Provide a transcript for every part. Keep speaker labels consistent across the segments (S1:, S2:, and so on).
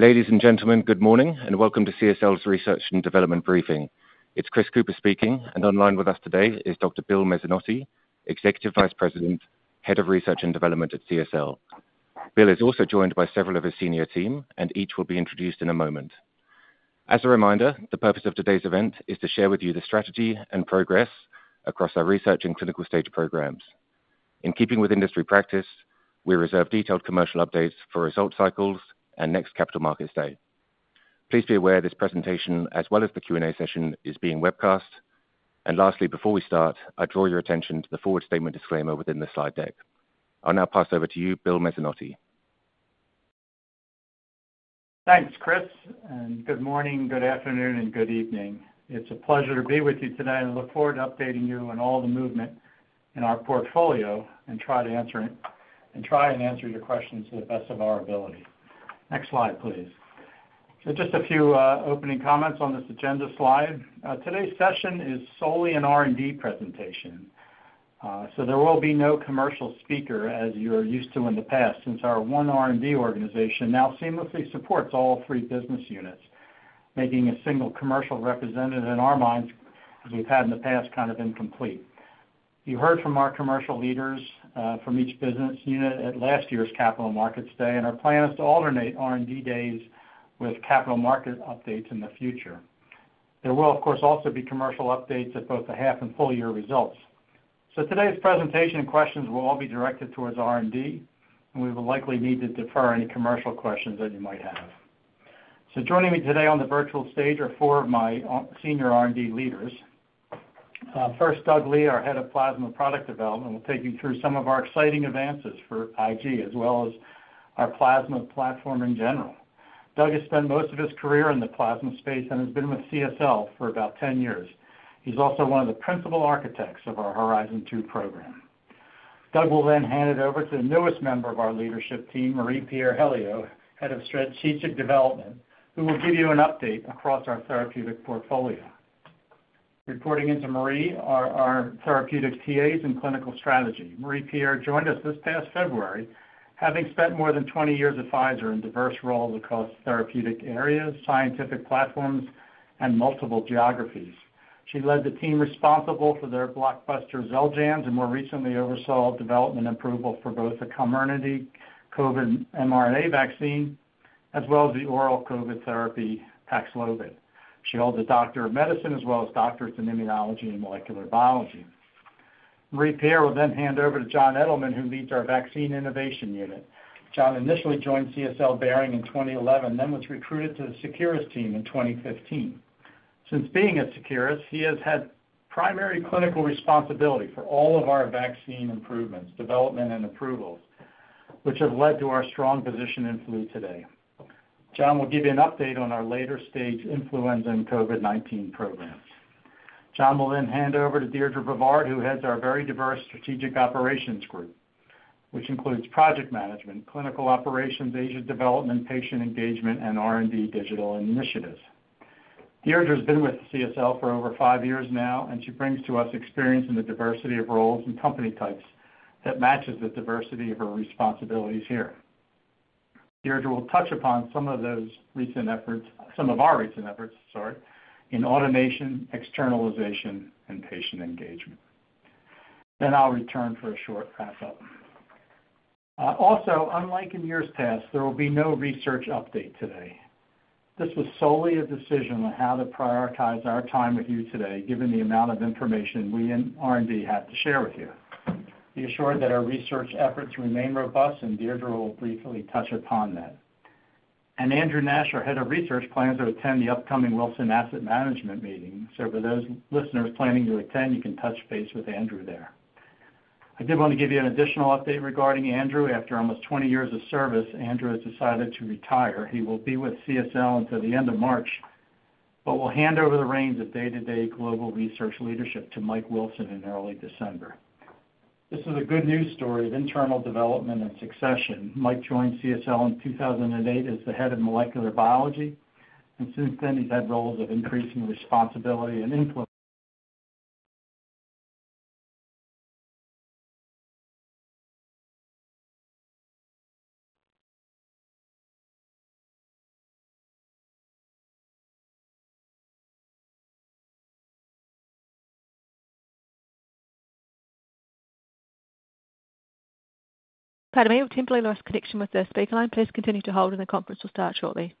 S1: Ladies and gentlemen, good morning, and welcome to CSL's Research and Development Briefing. It's Chris Cooper speaking, and online with us today is Dr. Bill Mezzanotte, Executive Vice President, Head of Research and Development at CSL. Bill is also joined by several of his senior team, and each will be introduced in a moment. As a reminder, the purpose of today's event is to share with you the strategy and progress across our research and clinical stage programs. In keeping with industry practice, we reserve detailed commercial updates for results cycles and next Capital Markets Day. Please be aware this presentation, as well as the Q&A session, is being webcast. And lastly, before we start, I draw your attention to the forward-looking statement disclaimer within the slide deck. I'll now pass over to you, Bill Mezzanotte.
S2: Thanks, Chris, and good morning, good afternoon, and good evening. It's a pleasure to be with you today, and I look forward to updating you on all the movement in our portfolio and try and answer your questions to the best of our ability. Next slide, please. So just a few opening comments on this agenda slide. Today's session is solely an R&D presentation, so there will be no commercial speaker as you're used to in the past, since our one R&D organization now seamlessly supports all three business units, making a single commercial representative in our minds, as we've had in the past, kind of incomplete. You heard from our commercial leaders from each business unit at last year's Capital Markets Day, and our plan is to alternate R&D days with capital market updates in the future. There will, of course, also be commercial updates at both the half and full year results. Today's presentation and questions will all be directed towards R&D, and we will likely need to defer any commercial questions that you might have. Joining me today on the virtual stage are four of my senior R&D leaders. First, Doug Lee, our Head of Plasma Product Development, will take you through some of our exciting advances for IG, as well as our plasma platform in general. Doug has spent most of his career in the plasma space and has been with CSL for about 10 years. He's also one of the principal architects of our Horizon 2 program. Doug will then hand it over to the newest member of our leadership team, Marie-Pierre Hellio, Head of Strategic Development, who will give you an update across our therapeutic portfolio. Reporting into Marie-Pierre are our therapeutic TAs and clinical strategy. Marie-Pierre joined us this past February, having spent more than twenty years at Pfizer in diverse roles across therapeutic areas, scientific platforms, and multiple geographies. She led the team responsible for their blockbuster Xeljanz, and more recently oversaw development approval for both the Comirnaty COVID mRNA vaccine, as well as the oral COVID therapy, Paxlovid. She holds a Doctor of Medicine as well as doctorates in immunology and molecular biology. Marie-Pierre will then hand over to Jon Edelman, who leads our Vaccine Innovation Unit. Jon initially joined CSL Behring in 2011, then was recruited to the Seqirus team in 2015. Since being at Seqirus, he has had primary clinical responsibility for all of our vaccine improvements, development, and approvals, which have led to our strong position in flu today. Jon will give you an update on our later-stage influenza and COVID-19 programs. Jon will then hand over to Deirdre BeVard, who heads our very diverse Strategic Operations group, which includes project management, clinical operations, asset development, patient engagement, and R&D digital initiatives. Deirdre's been with CSL for over five years now, and she brings to us experience in the diversity of roles and company types that matches the diversity of her responsibilities here. Deirdre will touch upon some of those recent efforts, some of our recent efforts, sorry, in automation, externalization, and patient engagement. Then I'll return for a short wrap-up. Also, unlike in years past, there will be no research update today. This was solely a decision on how to prioritize our time with you today, given the amount of information we in R&D have to share with you. Be assured that our research efforts remain robust, and Deirdre will briefly touch upon that and Andrew Nash, our Head of Research, plans to attend the upcoming Wilson Asset Management meeting so for those listeners planning to attend, you can touch base with Andrew there. I did want to give you an additional update regarding Andrew. After almost twenty years of service, Andrew has decided to retire. He will be with CSL until the end of March, but will hand over the reins of day-to-day global research leadership to Mike Wilson in early December. This is a good news story of internal development and succession. Mike joined CSL in 2008 as the Head of Molecular Biology, and since then, he's had roles of increasing responsibility and influence-
S3: Pardon me, we've temporarily lost connection with the speakerline. Please continue to hold and the conference will start shortly.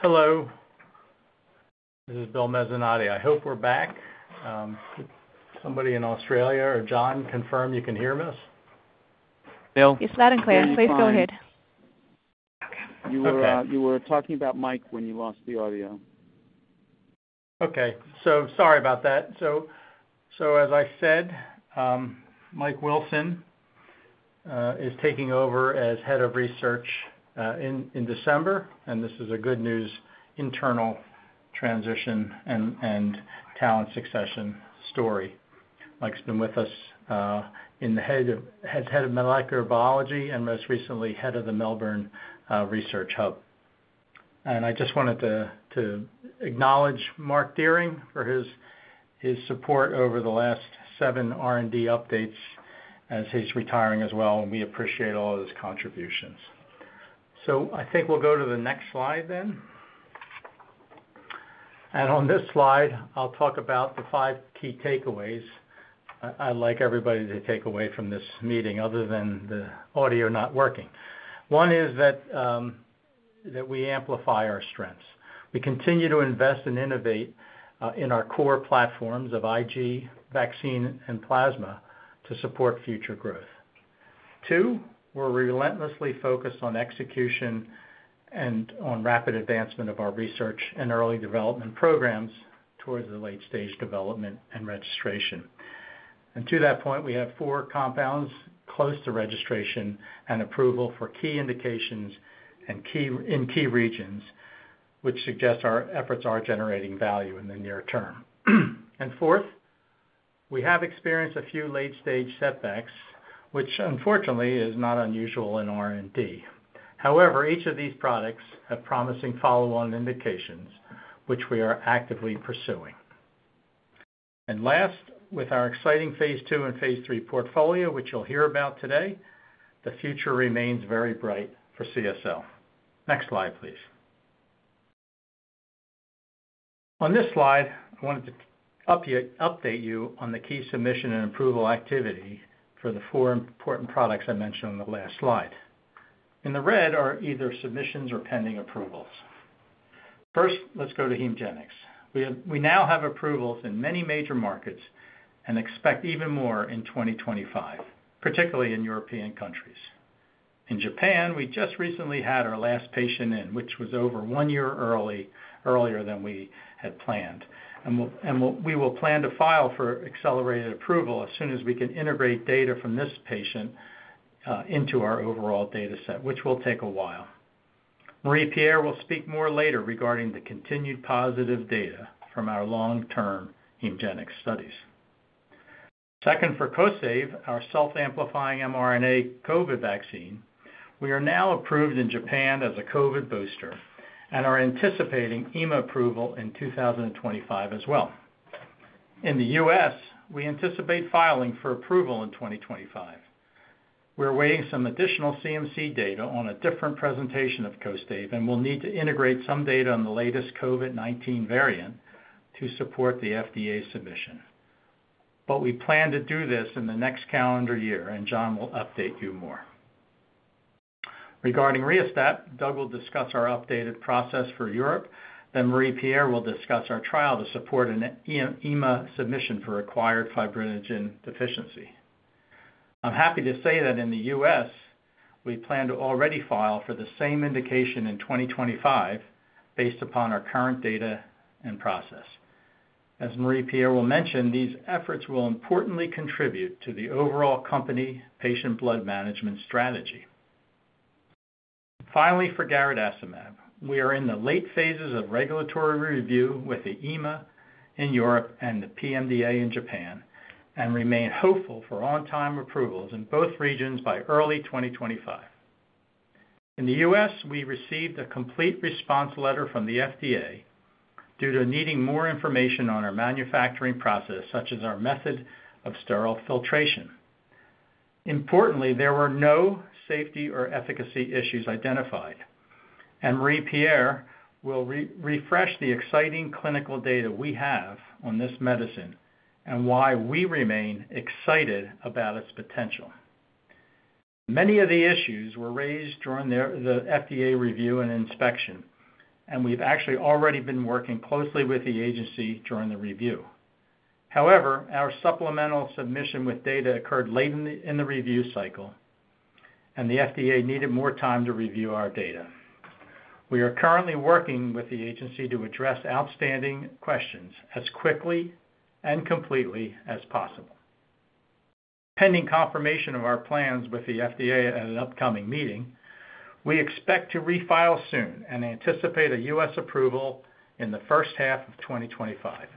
S2: Hello, this is Bill Mezzanotte. I hope we're back. Somebody in Australia or Jon, confirm you can hear us?
S1: Bill?
S3: It's loud and clear. Please go ahead.
S2: Okay.
S1: You were, you were talking about Mike when you lost the audio.
S2: Okay, so sorry about that. So as I said, Mike Wilson is taking over as head of research in December, and this is a good news internal transition and talent succession story. Mike's been with us as head of molecular biology and most recently head of the Melbourne Research Hub. I just wanted to acknowledge Mark Dehring for his support over the last seven R&D updates as he's retiring as well, and we appreciate all of his contributions. I think we'll go to the next slide then. On this slide, I'll talk about the five key takeaways I'd like everybody to take away from this meeting, other than the audio not working. One is that we amplify our strengths. We continue to invest and innovate in our core platforms of IG, vaccine, and plasma to support future growth. Two, we're relentlessly focused on execution and on rapid advancement of our research and early development programs towards the late-stage development and registration. And to that point, we have four compounds close to registration and approval for key indications and key in key regions, which suggests our efforts are generating value in the near term. And fourth, we have experienced a few late-stage setbacks, which unfortunately is not unusual in R&D. However, each of these products have promising follow-on indications, which we are actively pursuing. And last, with our exciting Phase 2 and Phase 3 portfolio, which you'll hear about today, the future remains very bright for CSL. Next slide, please. On this slide, I wanted to update you on the key submission and approval activity for the four important products I mentioned on the last slide. In the red are either submissions or pending approvals. First, let's go to Hemgenix. We now have approvals in many major markets and expect even more in twenty twenty-five, particularly in European countries. In Japan, we just recently had our last patient in, which was over one year early, earlier than we had planned. We will plan to file for accelerated approval as soon as we can integrate data from this patient into our overall data set, which will take a while. Marie-Pierre will speak more later regarding the continued positive data from our long-term Hemgenix studies. Second, for Kostaive, our self-amplifying mRNA COVID vaccine, we are now approved in Japan as a COVID booster and are anticipating EMA approval in 2025 as well. In the U.S., we anticipate filing for approval in 2025. We're weighing some additional CMC data on a different presentation of Kostaive, and we'll need to integrate some data on the latest COVID-19 variant to support the FDA submission. But we plan to do this in the next calendar year, and Jon will update you more. Regarding RiaSTAP, Doug will discuss our updated process for Europe, then Marie-Pierre will discuss our trial to support an EMA submission for acquired fibrinogen deficiency. I'm happy to say that in the U.S., we plan to already file for the same indication in 2025 based upon our current data and process. As Marie-Pierre will mention, these efforts will importantly contribute to the overall company Patient Blood Management strategy. Finally, for garadacimab, we are in the late phases of regulatory review with the EMA in Europe and the PMDA in Japan, and remain hopeful for on-time approvals in both regions by early twenty twenty-five. In the US, we received a Complete Response Letter from the FDA due to needing more information on our manufacturing process, such as our method of sterile filtration. Importantly, there were no safety or efficacy issues identified, and Marie-Pierre will refresh the exciting clinical data we have on this medicine and why we remain excited about its potential. Many of the issues were raised during the FDA review and inspection, and we've actually already been working closely with the agency during the review. However, our supplemental submission with data occurred late in the review cycle, and the FDA needed more time to review our data. We are currently working with the agency to address outstanding questions as quickly and completely as possible. Pending confirmation of our plans with the FDA at an upcoming meeting, we expect to refile soon and anticipate a U.S. approval in the first half of twenty twenty-five.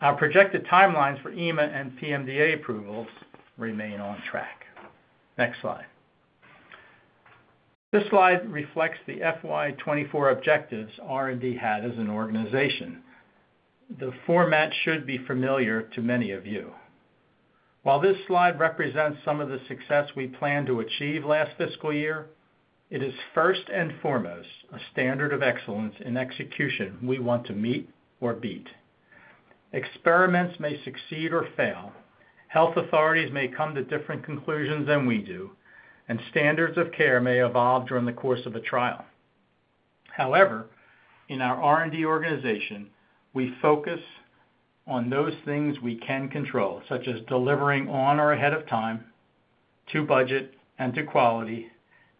S2: Our projected timelines for EMA and PMDA approvals remain on track. Next slide. This slide reflects the FY twenty-four objectives R&D had as an organization. The format should be familiar to many of you. While this slide represents some of the success we planned to achieve last fiscal year, it is first and foremost a standard of excellence in execution we want to meet or beat. Experiments may succeed or fail, health authorities may come to different conclusions than we do, and standards of care may evolve during the course of a trial. However, in our R&D organization, we focus on those things we can control, such as delivering on or ahead of time, to budget and to quality,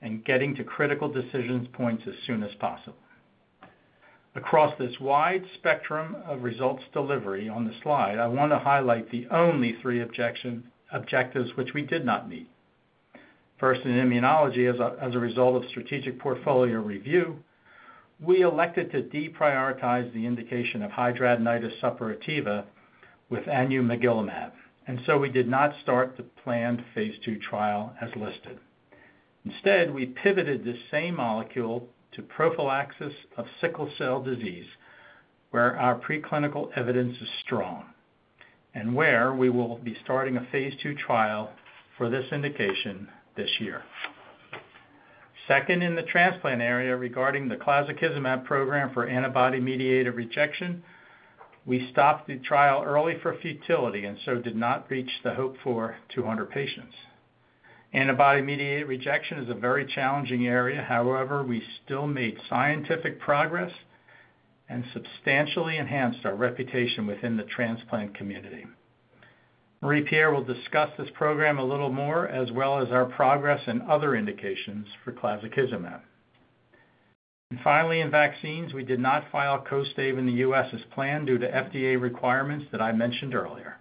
S2: and getting to critical decision points as soon as possible. Across this wide spectrum of results delivery on the slide, I want to highlight the only three objectives which we did not meet. First, in immunology, as a result of strategic portfolio review, we elected to deprioritize the indication of hidradenitis suppurativa with CSL324, and so we did not start the planned Phase 2 trial as listed. Instead, we pivoted the same molecule to prophylaxis of sickle cell disease, where our preclinical evidence is strong, and where we will be starting a Phase 2 trial for this indication this year. Second, in the transplant area, regarding the clazakizumab program for antibody-mediated rejection, we stopped the trial early for futility and so did not reach the hoped-for 200 patients. Antibody-mediated rejection is a very challenging area. However, we still made scientific progress and substantially enhanced our reputation within the transplant community. Marie-Pierre will discuss this program a little more, as well as our progress and other indications for clazakizumab. And finally, in vaccines, we did not file Kostaive in the U.S. as planned due to FDA requirements that I mentioned earlier.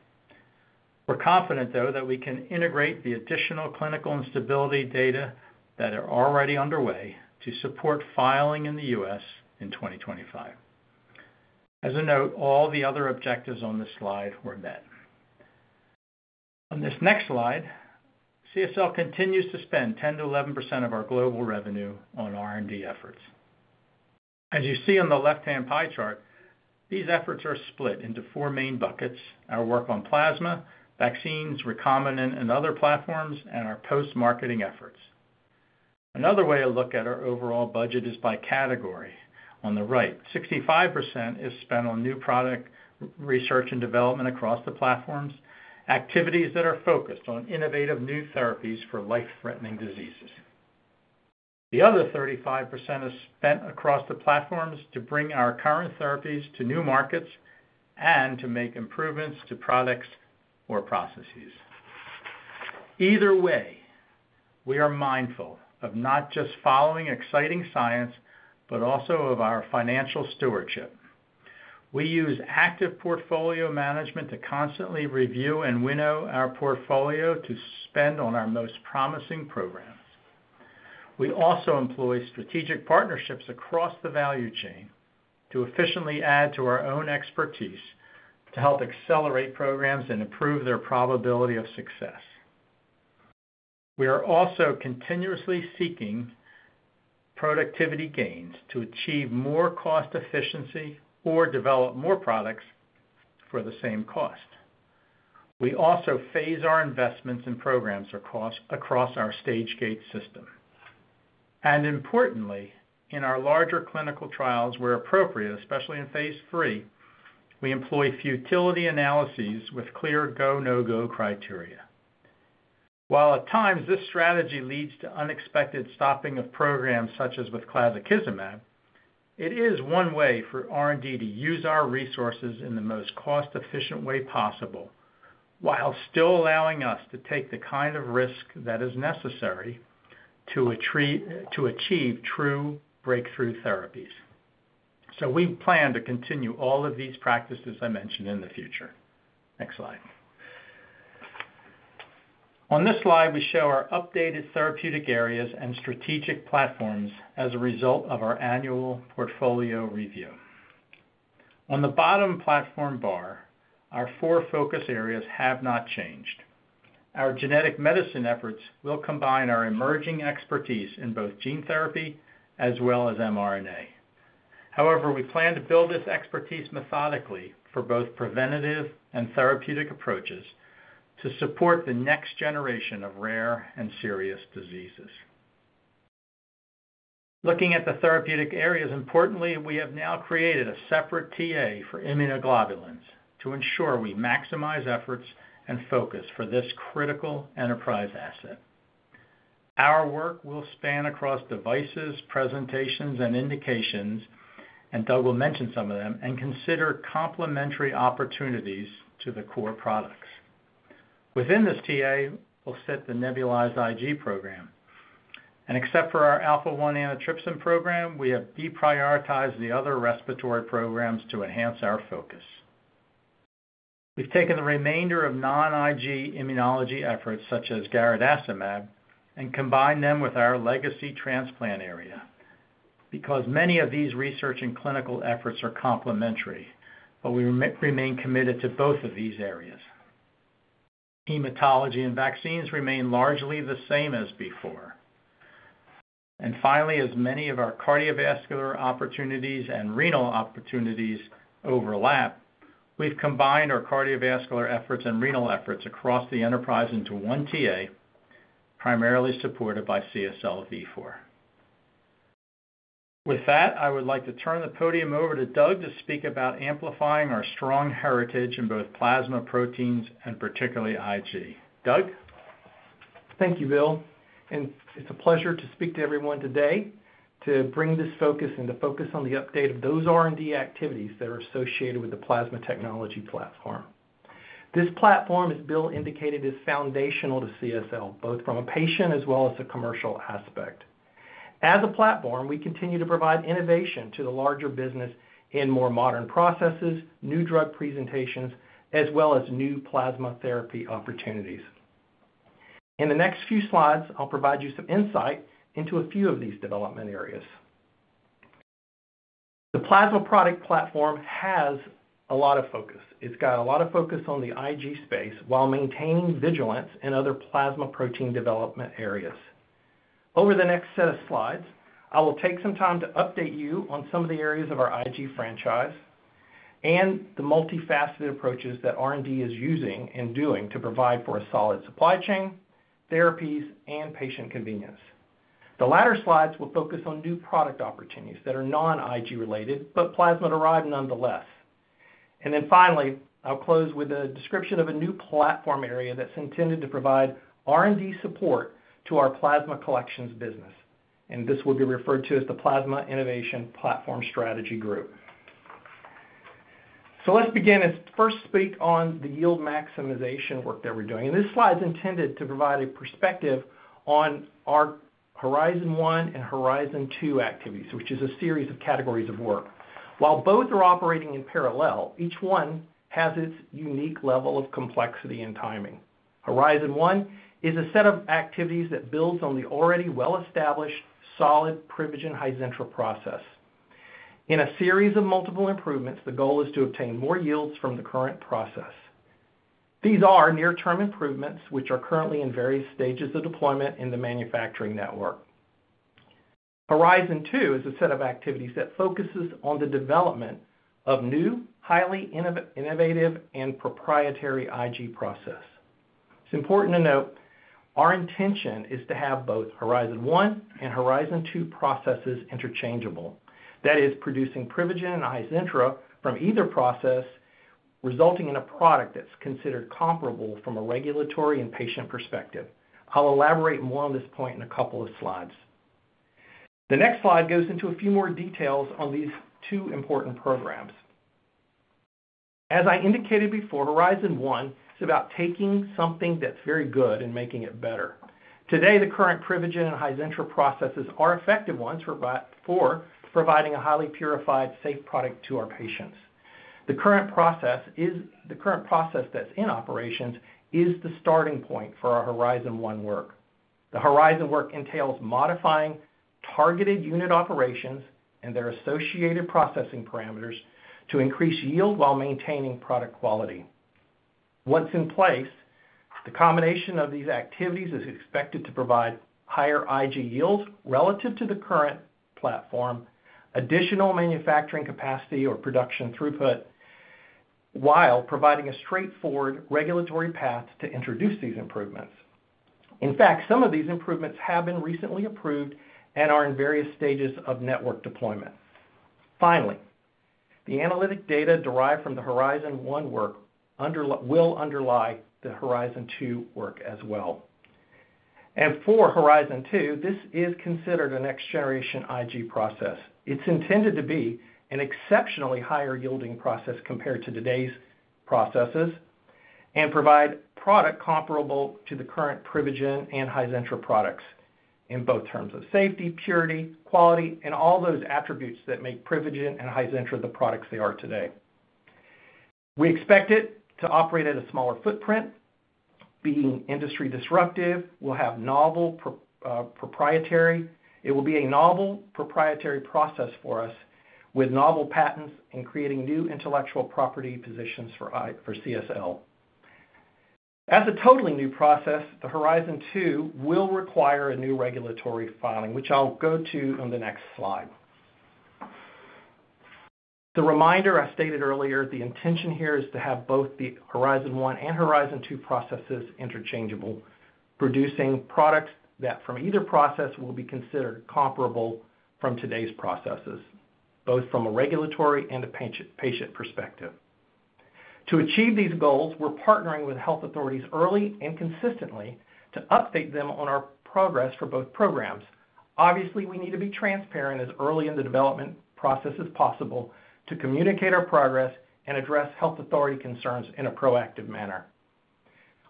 S2: We're confident, though, that we can integrate the additional clinical and stability data that are already underway to support filing in the U.S. in twenty twenty-five. As a note, all the other objectives on this slide were met. On this next slide, CSL continues to spend 10%-11% of our global revenue on R&D efforts. As you see on the left-hand pie chart, these efforts are split into four main buckets: our work on plasma, vaccines, recombinant, and other platforms, and our post-marketing efforts. Another way to look at our overall budget is by category. On the right, 65% is spent on new product research and development across the platforms, activities that are focused on innovative new therapies for life-threatening diseases. The other 35% is spent across the platforms to bring our current therapies to new markets and to make improvements to products or processes. Either way, we are mindful of not just following exciting science, but also of our financial stewardship. We use active portfolio management to constantly review and winnow our portfolio to spend on our most promising programs. We also employ strategic partnerships across the value chain to efficiently add to our own expertise, to help accelerate programs and improve their probability of success. We are also continuously seeking productivity gains to achieve more cost efficiency or develop more products for the same cost. We also phase our investments and programs across our stage-gate system. And importantly, in our larger clinical trials, where appropriate, especially in Phase 3, we employ futility analyses with clear go, no-go criteria. While at times, this strategy leads to unexpected stopping of programs, such as with clazakizumab, it is one way for R&D to use our resources in the most cost-efficient way possible, while still allowing us to take the kind of risk that is necessary to achieve true breakthrough therapies. So we plan to continue all of these practices I mentioned in the future. Next slide. On this slide, we show our updated therapeutic areas and strategic platforms as a result of our annual portfolio review. On the bottom platform bar, our four focus areas have not changed. Our genetic medicine efforts will combine our emerging expertise in both gene therapy as well as mRNA. However, we plan to build this expertise methodically for both preventative and therapeutic approaches to support the next generation of rare and serious diseases. Looking at the therapeutic areas, importantly, we have now created a separate TA for immunoglobulins to ensure we maximize efforts and focus for this critical enterprise asset. Our work will span across devices, presentations, and indications, and Doug will mention some of them, and consider complementary opportunities to the core products. Within this TA, we'll set the nebulized IG program. Except for our Alpha-1 antitrypsin program, we have deprioritized the other respiratory programs to enhance our focus. We've taken the remainder of non-IG immunology efforts, such as garadacimab, and combined them with our legacy transplant area, because many of these research and clinical efforts are complementary, but we remain committed to both of these areas. Hematology and vaccines remain largely the same as before. Finally, as many of our cardiovascular opportunities and renal opportunities overlap, we've combined our cardiovascular efforts and renal efforts across the enterprise into one TA, primarily supported by CSL Vifor. With that, I would like to turn the podium over to Doug to speak about amplifying our strong heritage in both plasma proteins and particularly IG. Doug?
S4: Thank you, Bill, and it's a pleasure to speak to everyone today to bring this focus and to focus on the update of those R&D activities that are associated with the plasma technology platform. This platform, as Bill indicated, is foundational to CSL, both from a patient as well as a commercial aspect. As a platform, we continue to provide innovation to the larger business in more modern processes, new drug presentations, as well as new plasma therapy opportunities. In the next few slides, I'll provide you some insight into a few of these development areas. The plasma product platform has a lot of focus. It's got a lot of focus on the IG space while maintaining vigilance in other plasma protein development areas. Over the next set of slides, I will take some time to update you on some of the areas of our IG franchise and the multifaceted approaches that R&D is using and doing to provide for a solid supply chain, therapies, and patient convenience. The latter slides will focus on new product opportunities that are non-IG related, but plasma-derived nonetheless, and then finally, I'll close with a description of a new platform area that's intended to provide R&D support to our plasma collections business, and this will be referred to as the Plasma Innovation Platform Strategy Group, so let's begin and first speak on the yield maximization work that we're doing, and this slide is intended to provide a perspective on our Horizon 1 and Horizon 2 activities, which is a series of categories of work. While both are operating in parallel, each one has its unique level of complexity and timing. Horizon 1 is a set of activities that builds on the already well-established, solid Privigen and Hizentra process. In a series of multiple improvements, the goal is to obtain more yields from the current process. These are near-term improvements, which are currently in various stages of deployment in the manufacturing network. Horizon 2 is a set of activities that focuses on the development of new, highly innovative, and proprietary IG process. It's important to note, our intention is to have both Horizon 1 and Horizon 2 processes interchangeable. That is, producing Privigen and Hizentra from either process, resulting in a product that's considered comparable from a regulatory and patient perspective. I'll elaborate more on this point in a couple of slides. The next slide goes into a few more details on these two important programs. As I indicated before, Horizon 1 is about taking something that's very good and making it better. Today, the current Privigen and Hizentra processes are effective ones for providing a highly purified, safe product to our patients. The current process that's in operations is the starting point for our Horizon 1 work. The Horizon work entails modifying targeted unit operations and their associated processing parameters to increase yield while maintaining product quality. Once in place, the combination of these activities is expected to provide higher IG yields relative to the current platform, additional manufacturing capacity or production throughput, while providing a straightforward regulatory path to introduce these improvements. In fact, some of these improvements have been recently approved and are in various stages of network deployment. Finally, the analytic data derived from the Horizon 1 work will underlie the Horizon 2 work as well. For Horizon 2, this is considered a next-generation IG process. It's intended to be an exceptionally higher-yielding process compared to today's processes, and provide product comparable to the current Privigen and Hizentra products, in both terms of safety, purity, quality, and all those attributes that make Privigen and Hizentra the products they are today. We expect it to operate at a smaller footprint, being industry disruptive. It will be a novel, proprietary process for us, with novel patents in creating new intellectual property positions for CSL. As a totally new process, the Horizon 2 will require a new regulatory filing, which I'll go to on the next slide. The reminder I stated earlier, the intention here is to have both the Horizon 1 and Horizon 2 processes interchangeable, producing products that, from either process, will be considered comparable from today's processes, both from a regulatory and a patient perspective. To achieve these goals, we're partnering with health authorities early and consistently to update them on our progress for both programs. Obviously, we need to be transparent as early in the development process as possible, to communicate our progress and address health authority concerns in a proactive manner.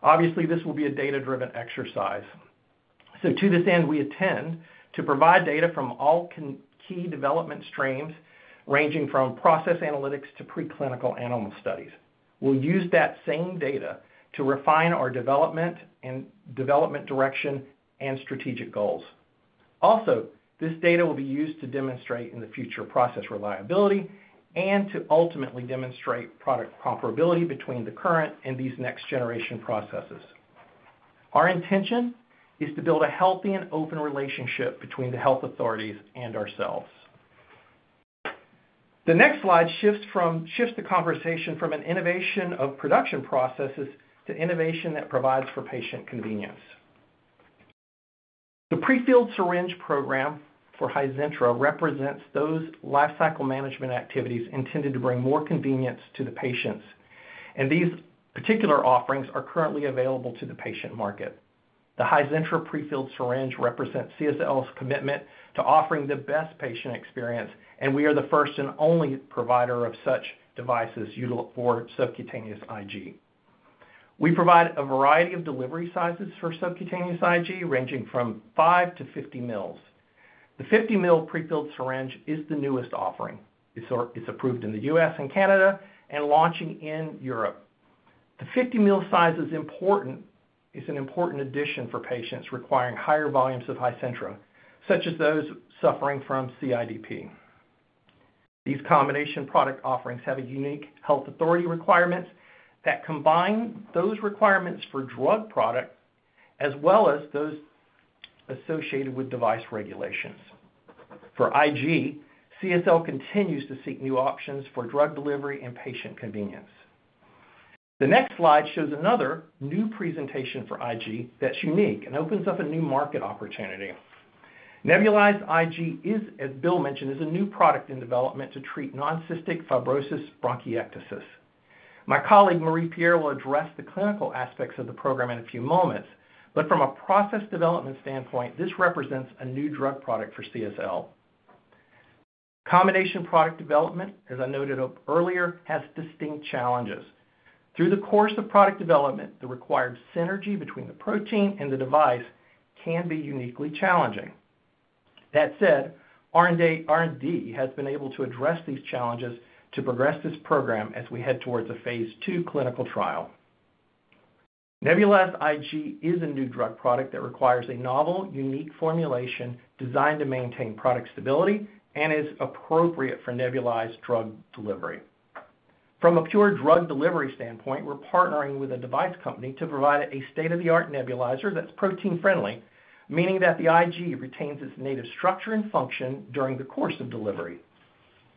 S4: Obviously, this will be a data-driven exercise. So to this end, we intend to provide data from all key development streams, ranging from process analytics to preclinical animal studies. We'll use that same data to refine our development and development direction and strategic goals. Also, this data will be used to demonstrate in the future process reliability and to ultimately demonstrate product comparability between the current and these next-generation processes. Our intention is to build a healthy and open relationship between the health authorities and ourselves. The next slide shifts the conversation from an innovation of production processes to innovation that provides for patient convenience. The prefilled syringe program for Hizentra represents those lifecycle management activities intended to bring more convenience to the patients, and these particular offerings are currently available to the patient market. The Hizentra prefilled syringe represents CSL's commitment to offering the best patient experience, and we are the first and only provider of such devices for subcutaneous IG. We provide a variety of delivery sizes for subcutaneous IG, ranging from five to 50 mL. The 50 mL prefilled syringe is the newest offering. It's approved in the U.S. and Canada, and launching in Europe. The 50 mL size is an important addition for patients requiring higher volumes of Hizentra, such as those suffering from CIDP. These combination product offerings have a unique health authority requirement that combine those requirements for drug product, as well as those associated with device regulations. For IG, CSL continues to seek new options for drug delivery and patient convenience. The next slide shows another new presentation for IG that's unique and opens up a new market opportunity. Nebulized IG, as Bill mentioned, is a new product in development to treat non-cystic fibrosis bronchiectasis. My colleague, Marie-Pierre, will address the clinical aspects of the program in a few moments. But from a process development standpoint, this represents a new drug product for CSL. Combination product development, as I noted up earlier, has distinct challenges. Through the course of product development, the required synergy between the protein and the device can be uniquely challenging. That said, R&D has been able to address these challenges to progress this program as we head toward a Phase 2 clinical trial. Nebulized IG is a new drug product that requires a novel, unique formulation designed to maintain product stability and is appropriate for nebulized drug delivery. From a pure drug delivery standpoint, we're partnering with a device company to provide a state-of-the-art nebulizer that's protein-friendly, meaning that the IG retains its native structure and function during the course of delivery.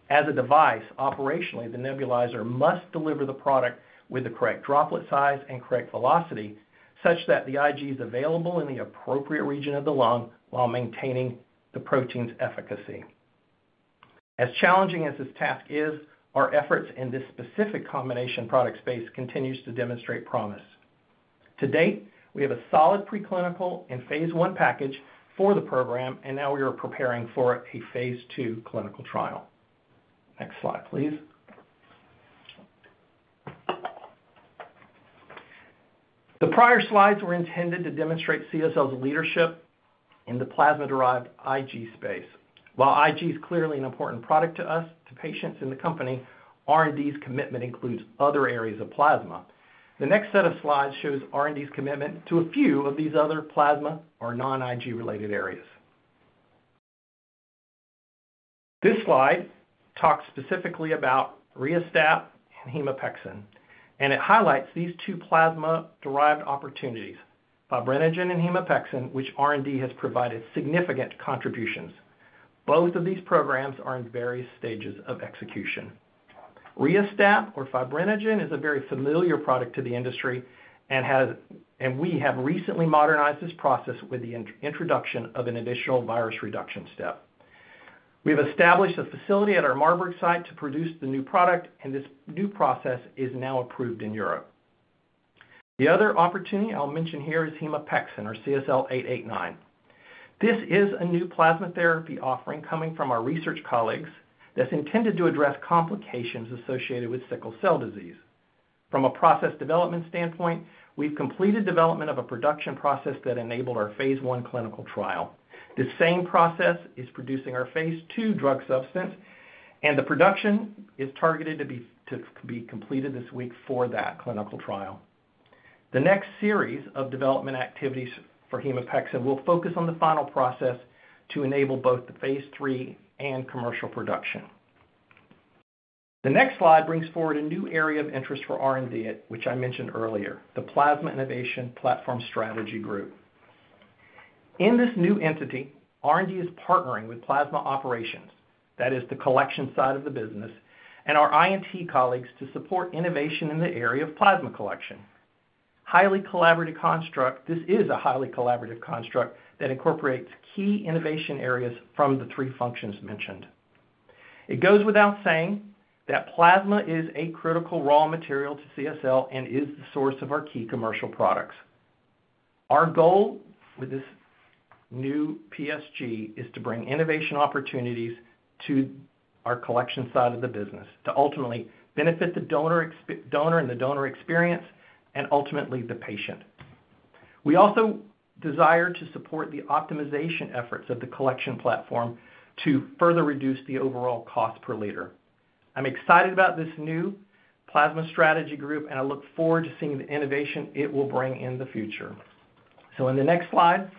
S4: As a device, operationally, the nebulizer must deliver the product with the correct droplet size and correct velocity, such that the IG is available in the appropriate region of the lung while maintaining the protein's efficacy. As challenging as this task is, our efforts in this specific combination product space continues to demonstrate promise. To date, we have a solid preclinical and Phase 1 package for the program, and now we are preparing for a Phase 2 clinical trial. Next slide, please. The prior slides were intended to demonstrate CSL's leadership in the plasma-derived IG space. While IG is clearly an important product to us, to patients, and the company, R&D's commitment includes other areas of plasma. The next set of slides shows R&D's commitment to a few of these other plasma or non-IG-related areas. This slide talks specifically about RiaSTAP and hemopexin, and it highlights these two plasma-derived opportunities, fibrinogen and hemopexin, which R&D has provided significant contributions. Both of these programs are in various stages of execution. RiaSTAP or fibrinogen is a very familiar product to the industry and has and we have recently modernized this process with the introduction of an additional virus reduction step. We've established a facility at our Marburg site to produce the new product, and this new process is now approved in Europe. The other opportunity I'll mention here is hemopexin or CSL889. This is a new plasma therapy offering coming from our research colleagues that's intended to address complications associated with sickle cell disease. From a process development standpoint, we've completed development of a production process that enabled our Phase 1 clinical trial. This same process is producing our Phase 2 drug substance, and the production is targeted to be completed this week for that clinical trial. The next series of development activities for hemopexin will focus on the final process to enable both the Phase 3 and commercial production. The next slide brings forward a new area of interest for R&D, which I mentioned earlier, the Plasma Innovation Platform Strategy Group. In this new entity, R&D is partnering with plasma operations, that is the collection side of the business, and our I&T colleagues to support innovation in the area of plasma collection. This is a highly collaborative construct that incorporates key innovation areas from the three functions mentioned. It goes without saying that plasma is a critical raw material to CSL and is the source of our key commercial products. Our goal with this new PSG is to bring innovation opportunities to our collection side of the business, to ultimately benefit the donor and the donor experience, and ultimately, the patient. We also desire to support the optimization efforts of the collection platform to further reduce the overall cost per liter. I'm excited about this new Plasma Strategy Group, and I look forward to seeing the innovation it will bring in the future, so in the next slide,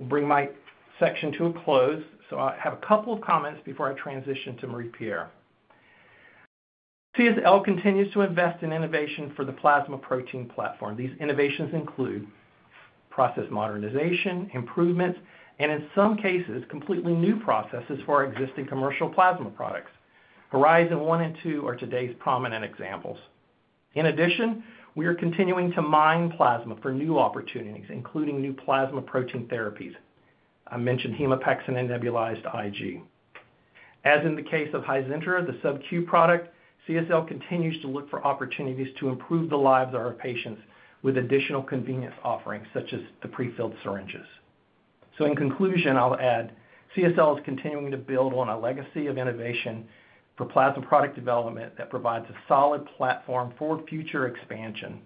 S4: I'll bring my section to a close, so I have a couple of comments before I transition to Marie-Pierre. CSL continues to invest in innovation for the plasma protein platform. These innovations include process modernization, improvements, and in some cases, completely new processes for our existing commercial plasma products. Horizon 1 and 2 are today's prominent examples. In addition, we are continuing to mine plasma for new opportunities, including new plasma protein therapies. I mentioned hemopexin and nebulized IG. As in the case of Hizentra, the subQ product, CSL continues to look for opportunities to improve the lives of our patients with additional convenience offerings, such as the prefilled syringes. In conclusion, I'll add CSL is continuing to build on a legacy of innovation for plasma product development that provides a solid platform for future expansion.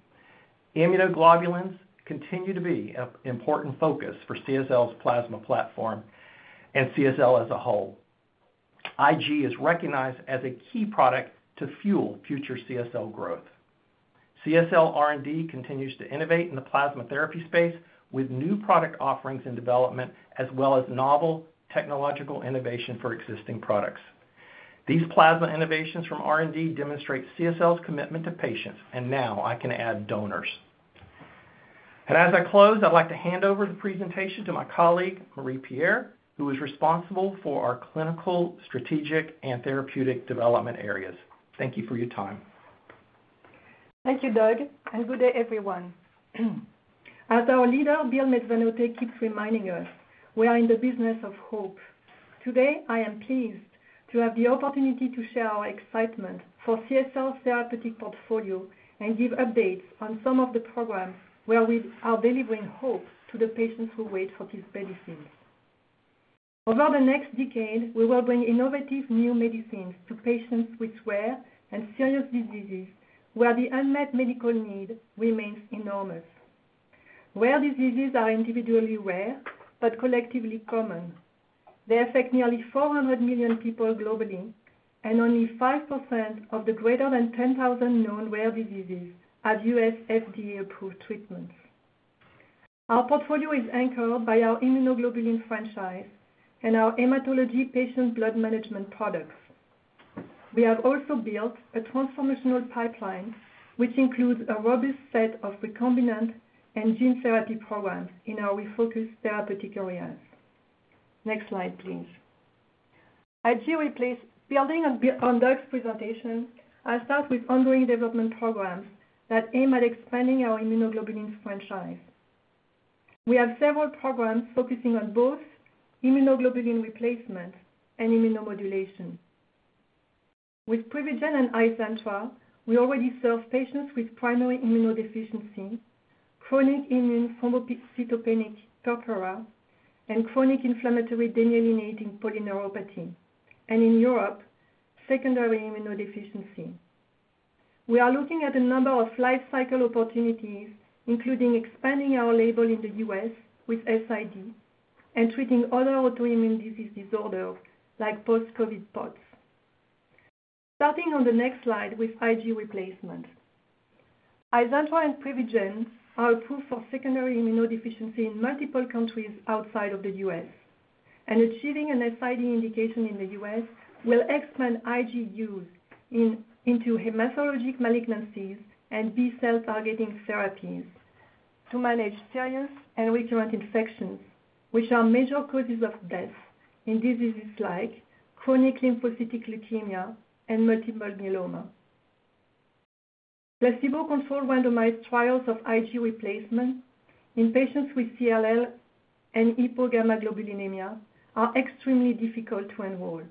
S4: Immunoglobulins continue to be an important focus for CSL's plasma platform and CSL as a whole. IG is recognized as a key product to fuel future CSL growth. CSL R&D continues to innovate in the plasma therapy space with new product offerings in development, as well as novel technological innovation for existing products. These plasma innovations from R&D demonstrate CSL's commitment to patients, and now I can add donors. As I close, I'd like to hand over the presentation to my colleague, Marie-Pierre, who is responsible for our clinical, strategic, and therapeutic development areas. Thank you for your time.
S5: Thank you, Doug, and good day, everyone. As our leader, Bill Mezzanotte, keeps reminding us, we are in the business of hope. Today, I am pleased to have the opportunity to share our excitement for CSL's therapeutic portfolio and give updates on some of the programs where we are delivering hope to the patients who wait for these medicines. Over the next decade, we will bring innovative new medicines to patients with rare and serious diseases, where the unmet medical need remains enormous. Rare diseases are individually rare, but collectively common. They affect nearly 400 million people globally, and only 5% of the greater than 10,000 known rare diseases have U.S. FDA-approved treatments. Our portfolio is anchored by our immunoglobulin franchise and our hematology patient blood management products. We have also built a transformational pipeline, which includes a robust set of recombinant and gene therapy programs in our refocused therapeutic areas. Next slide, please. IG replacement, building on Doug's presentation, I'll start with ongoing development programs that aim at expanding our immunoglobulins franchise. We have several programs focusing on both immunoglobulin replacement and immunomodulation. With Privigen and Hizentra, we already serve patients with primary immunodeficiency, chronic immune thrombocytopenic purpura, and chronic inflammatory demyelinating polyneuropathy, and in Europe, secondary immunodeficiency. We are looking at a number of life cycle opportunities, including expanding our label in the U.S. with SID, and treating other autoimmune disease disorders, like post-COVID POTS. Starting on the next slide with IG replacement. Hizentra and Privigen are approved for secondary immunodeficiency in multiple countries outside of the U.S., and achieving an SID indication in the U.S. will expand IG use in, into hematologic malignancies and B-cell targeting therapies to manage serious and recurrent infections, which are major causes of death in diseases like chronic lymphocytic leukemia and multiple myeloma. Placebo-controlled randomized trials of IG replacement in patients with CLL and hypogammaglobulinemia are extremely difficult to enroll,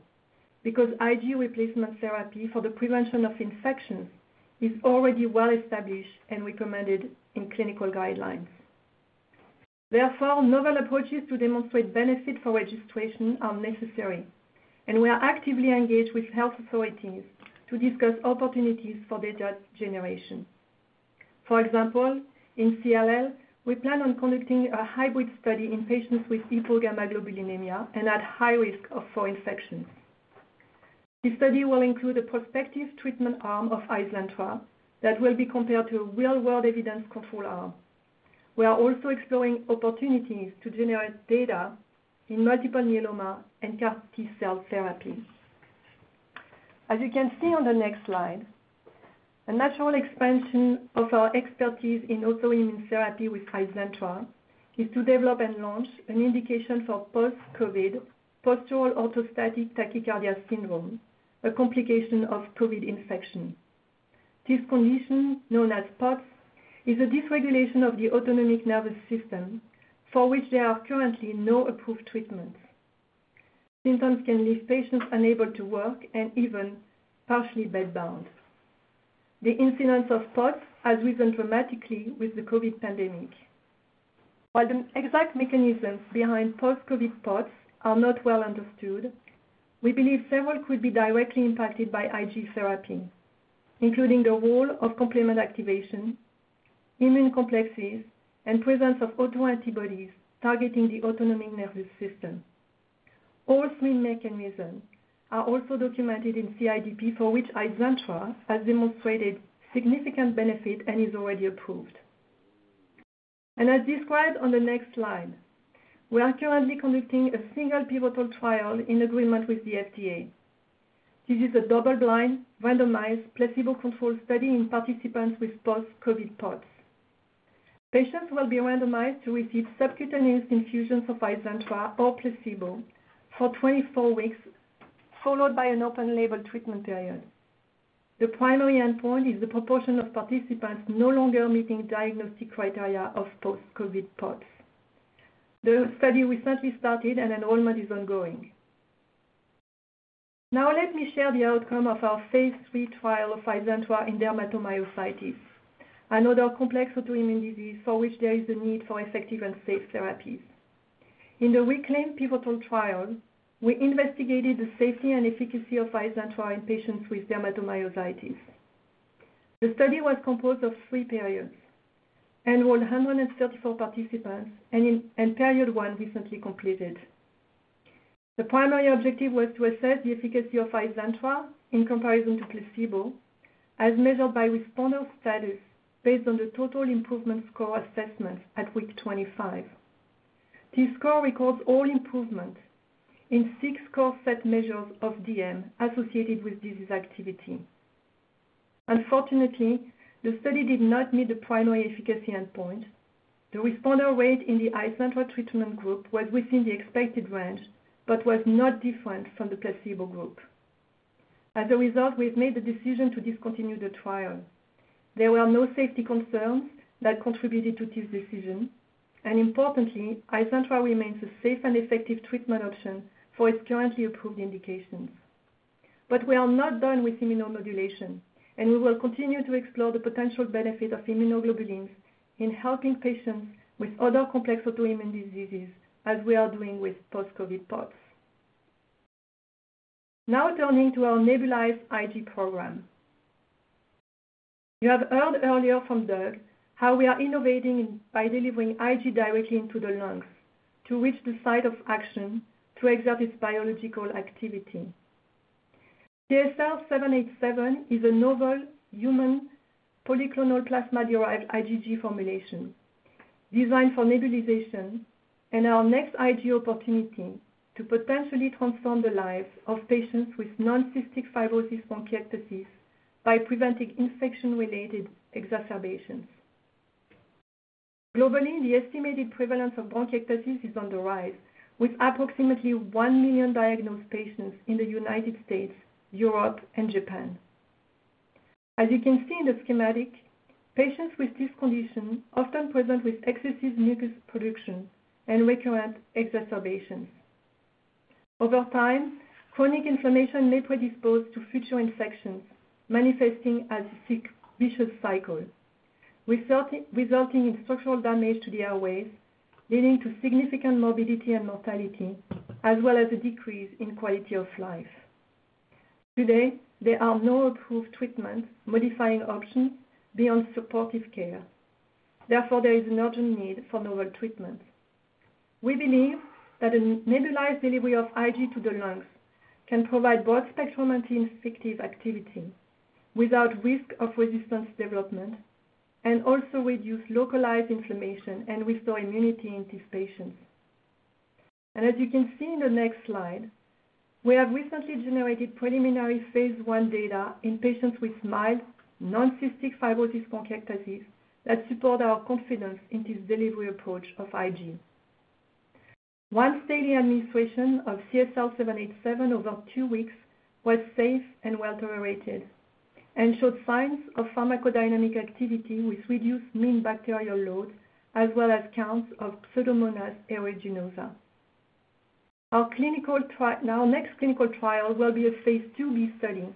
S5: because IG replacement therapy for the prevention of infections is already well-established and recommended in clinical guidelines. Therefore, novel approaches to demonstrate benefit for registration are necessary, and we are actively engaged with health authorities to discuss opportunities for data generation. For example, in CLL, we plan on conducting a hybrid study in patients with hypogammaglobulinemia and at high risk of four infections. This study will include a prospective treatment arm of Hizentra that will be compared to a real-world evidence control arm. We are also exploring opportunities to generate data in multiple myeloma and CAR T-cell therapy. As you can see on the next slide, a natural expansion of our expertise in autoimmune therapy with Hizentra is to develop and launch an indication for post-COVID postural orthostatic tachycardia syndrome, a complication of COVID infection. This condition, known as POTS, is a dysregulation of the autonomic nervous system, for which there are currently no approved treatments. Symptoms can leave patients unable to work and even partially bedbound. The incidence of POTS has risen dramatically with the COVID pandemic. While the exact mechanisms behind post-COVID POTS are not well understood, we believe several could be directly impacted by IG therapy, including the role of complement activation, immune complexes, and presence of autoantibodies targeting the autonomic nervous system. All three mechanisms are also documented in CIDP, for which Hizentra has demonstrated significant benefit and is already approved, and as described on the next slide, we are currently conducting a single pivotal trial in agreement with the FDA. This is a double-blind, randomized, placebo-controlled study in participants with post-COVID POTS. Patients will be randomized to receive subcutaneous infusions of Hizentra or placebo for 24 weeks, followed by an open-label treatment period. The primary endpoint is the proportion of participants no longer meeting diagnostic criteria of post-COVID POTS. The study recently started, and enrollment is ongoing. Now let me share the outcome of our Phase 3 trial of Hizentra in dermatomyositis, another complex autoimmune disease for which there is a need for effective and safe therapies. In the RECLAIM pivotal trial, we investigated the safety and efficacy of Hizentra in patients with dermatomyositis. The study was composed of three periods, enrolled 134 participants, and period one recently completed. The primary objective was to assess the efficacy of Hizentra in comparison to placebo, as measured by responder status based on the Total Improvement Score assessment at week 25. This score records all improvement in six core set measures of DM associated with disease activity. Unfortunately, the study did not meet the primary efficacy endpoint. The responder rate in the Hizentra treatment group was within the expected range, but was not different from the placebo group. As a result, we've made the decision to discontinue the trial. There were no safety concerns that contributed to this decision, and importantly, Hizentra remains a safe and effective treatment option for its currently approved indications, but we are not done with immunomodulation, and we will continue to explore the potential benefit of immunoglobulins in helping patients with other complex autoimmune diseases, as we are doing with post-COVID POTS. Now turning to our nebulized IG program. You have heard earlier from Doug how we are innovating by delivering IG directly into the lungs to reach the site of action to exert its biological activity. CSL787 is a novel human polyclonal plasma-derived IgG formulation designed for nebulization, and our next IG opportunity to potentially transform the lives of patients with non-cystic fibrosis bronchiectasis by preventing infection-related exacerbations. Globally, the estimated prevalence of bronchiectasis is on the rise, with approximately one million diagnosed patients in the United States, Europe, and Japan. As you can see in the schematic, patients with this condition often present with excessive mucus production and recurrent exacerbations. Over time, chronic inflammation may predispose to future infections, manifesting as a sick, vicious cycle, resulting in structural damage to the airways, leading to significant morbidity and mortality, as well as a decrease in quality of life. Today, there are no approved treatments modifying options beyond supportive care. Therefore, there is an urgent need for novel treatments. We believe that a nebulized delivery of IG to the lungs can provide broad-spectrum anti-infective activity without risk of resistance development, and also reduce localized inflammation and restore immunity in these patients. As you can see in the next slide, we have recently generated preliminary Phase 1 data in patients with mild non-cystic fibrosis bronchiectasis that support our confidence in this delivery approach of IG. One daily administration of CSL787 over two weeks was safe and well-tolerated and showed signs of pharmacodynamic activity with reduced mean bacterial load, as well as counts of Pseudomonas aeruginosa. Our next clinical trial will be a Phase 2b study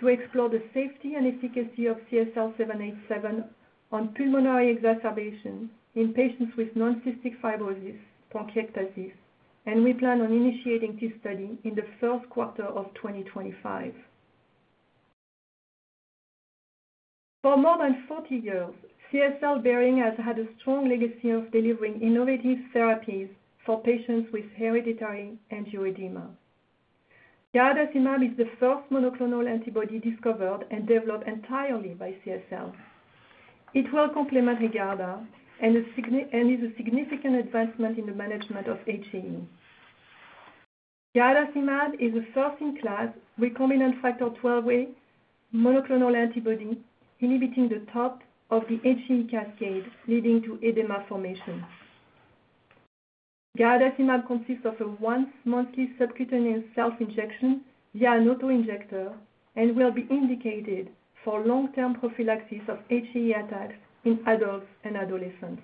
S5: to explore the safety and efficacy of CSL787 on pulmonary exacerbation in patients with non-cystic fibrosis bronchiectasis, and we plan on initiating this study in the first quarter of 2025. For more than forty years, CSL Behring has had a strong legacy of delivering innovative therapies for patients with hereditary angioedema. Garadacimab is the first monoclonal antibody discovered and developed entirely by CSL. It will complement Haegarda and is a significant advancement in the management of HAE. Garadacimab is a first-in-class recombinant factor XIIa monoclonal antibody inhibiting the top of the HAE cascade, leading to edema formation. Garadacimab consists of a once-monthly subcutaneous self-injection via an auto-injector and will be indicated for long-term prophylaxis of HAE attacks in adults and adolescents.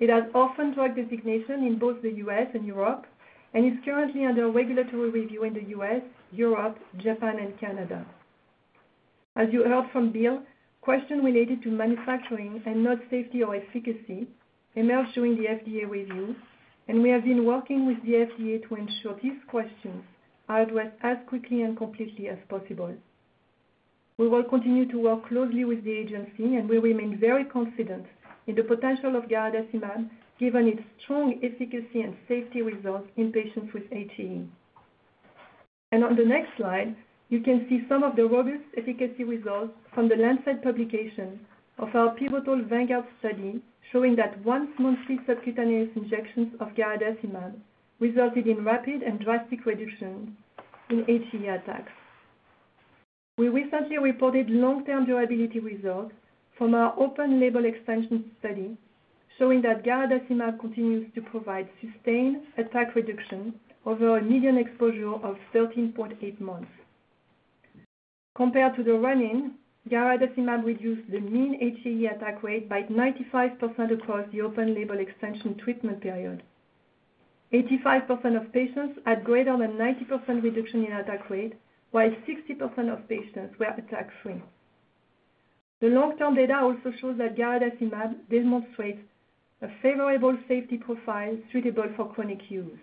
S5: It has orphan drug designation in both the U.S. and Europe, and is currently under regulatory review in the U.S., Europe, Japan, and Canada. As you heard from Bill, questions related to manufacturing and not safety or efficacy emerged during the FDA review, and we have been working with the FDA to ensure these questions are addressed as quickly and completely as possible. We will continue to work closely with the agency, and we remain very confident in the potential of garadacimab, given its strong efficacy and safety results in patients with HAE, and on the next slide, you can see some of the robust efficacy results from the Lancet publication of our pivotal VANGUARD study, showing that once-monthly subcutaneous injections of garadacimab resulted in rapid and drastic reductions in HAE attacks. We recently reported long-term durability results from our open label expansion study, showing that garadacimab continues to provide sustained attack reduction over a median exposure of thirteen point eight months. Compared to the run-in, garadacimab reduced the mean HAE attack rate by 95% across the open label expansion treatment period. 85% of patients had greater than 90% reduction in attack rate, while 60% of patients were attack-free. The long-term data also shows that garadacimab demonstrates a favorable safety profile suitable for chronic use.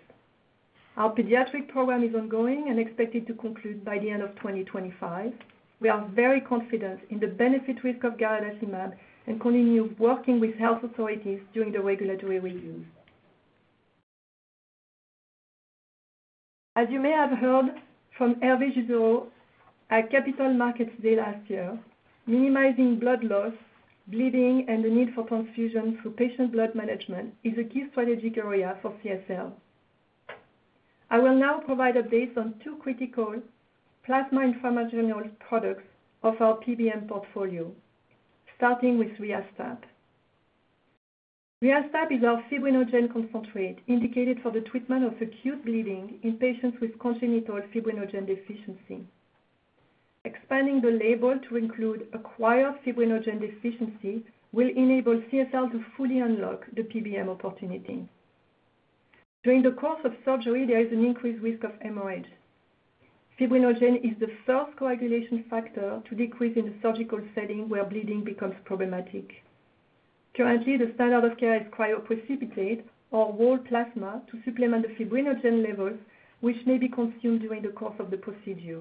S5: Our pediatric program is ongoing and expected to conclude by the end of 2025. We are very confident in the benefit-risk of garadacimab and continue working with health authorities during the regulatory reviews. As you may have heard from Hervé Gisserot at Capital Markets Day last year, minimizing blood loss, bleeding, and the need for transfusion through patient blood management is a key strategic area for CSL. I will now provide updates on two critical plasma and pharma general products of our PBM portfolio, starting with RiaSTAP. RiaSTAP is our fibrinogen concentrate, indicated for the treatment of acute bleeding in patients with congenital fibrinogen deficiency. Expanding the label to include acquired fibrinogen deficiency will enable CSL to fully unlock the PBM opportunity.... During the course of surgery, there is an increased risk of hemorrhage. Fibrinogen is the first coagulation factor to decrease in the surgical setting, where bleeding becomes problematic. Currently, the standard of care is cryoprecipitate or whole plasma to supplement the fibrinogen levels, which may be consumed during the course of the procedure.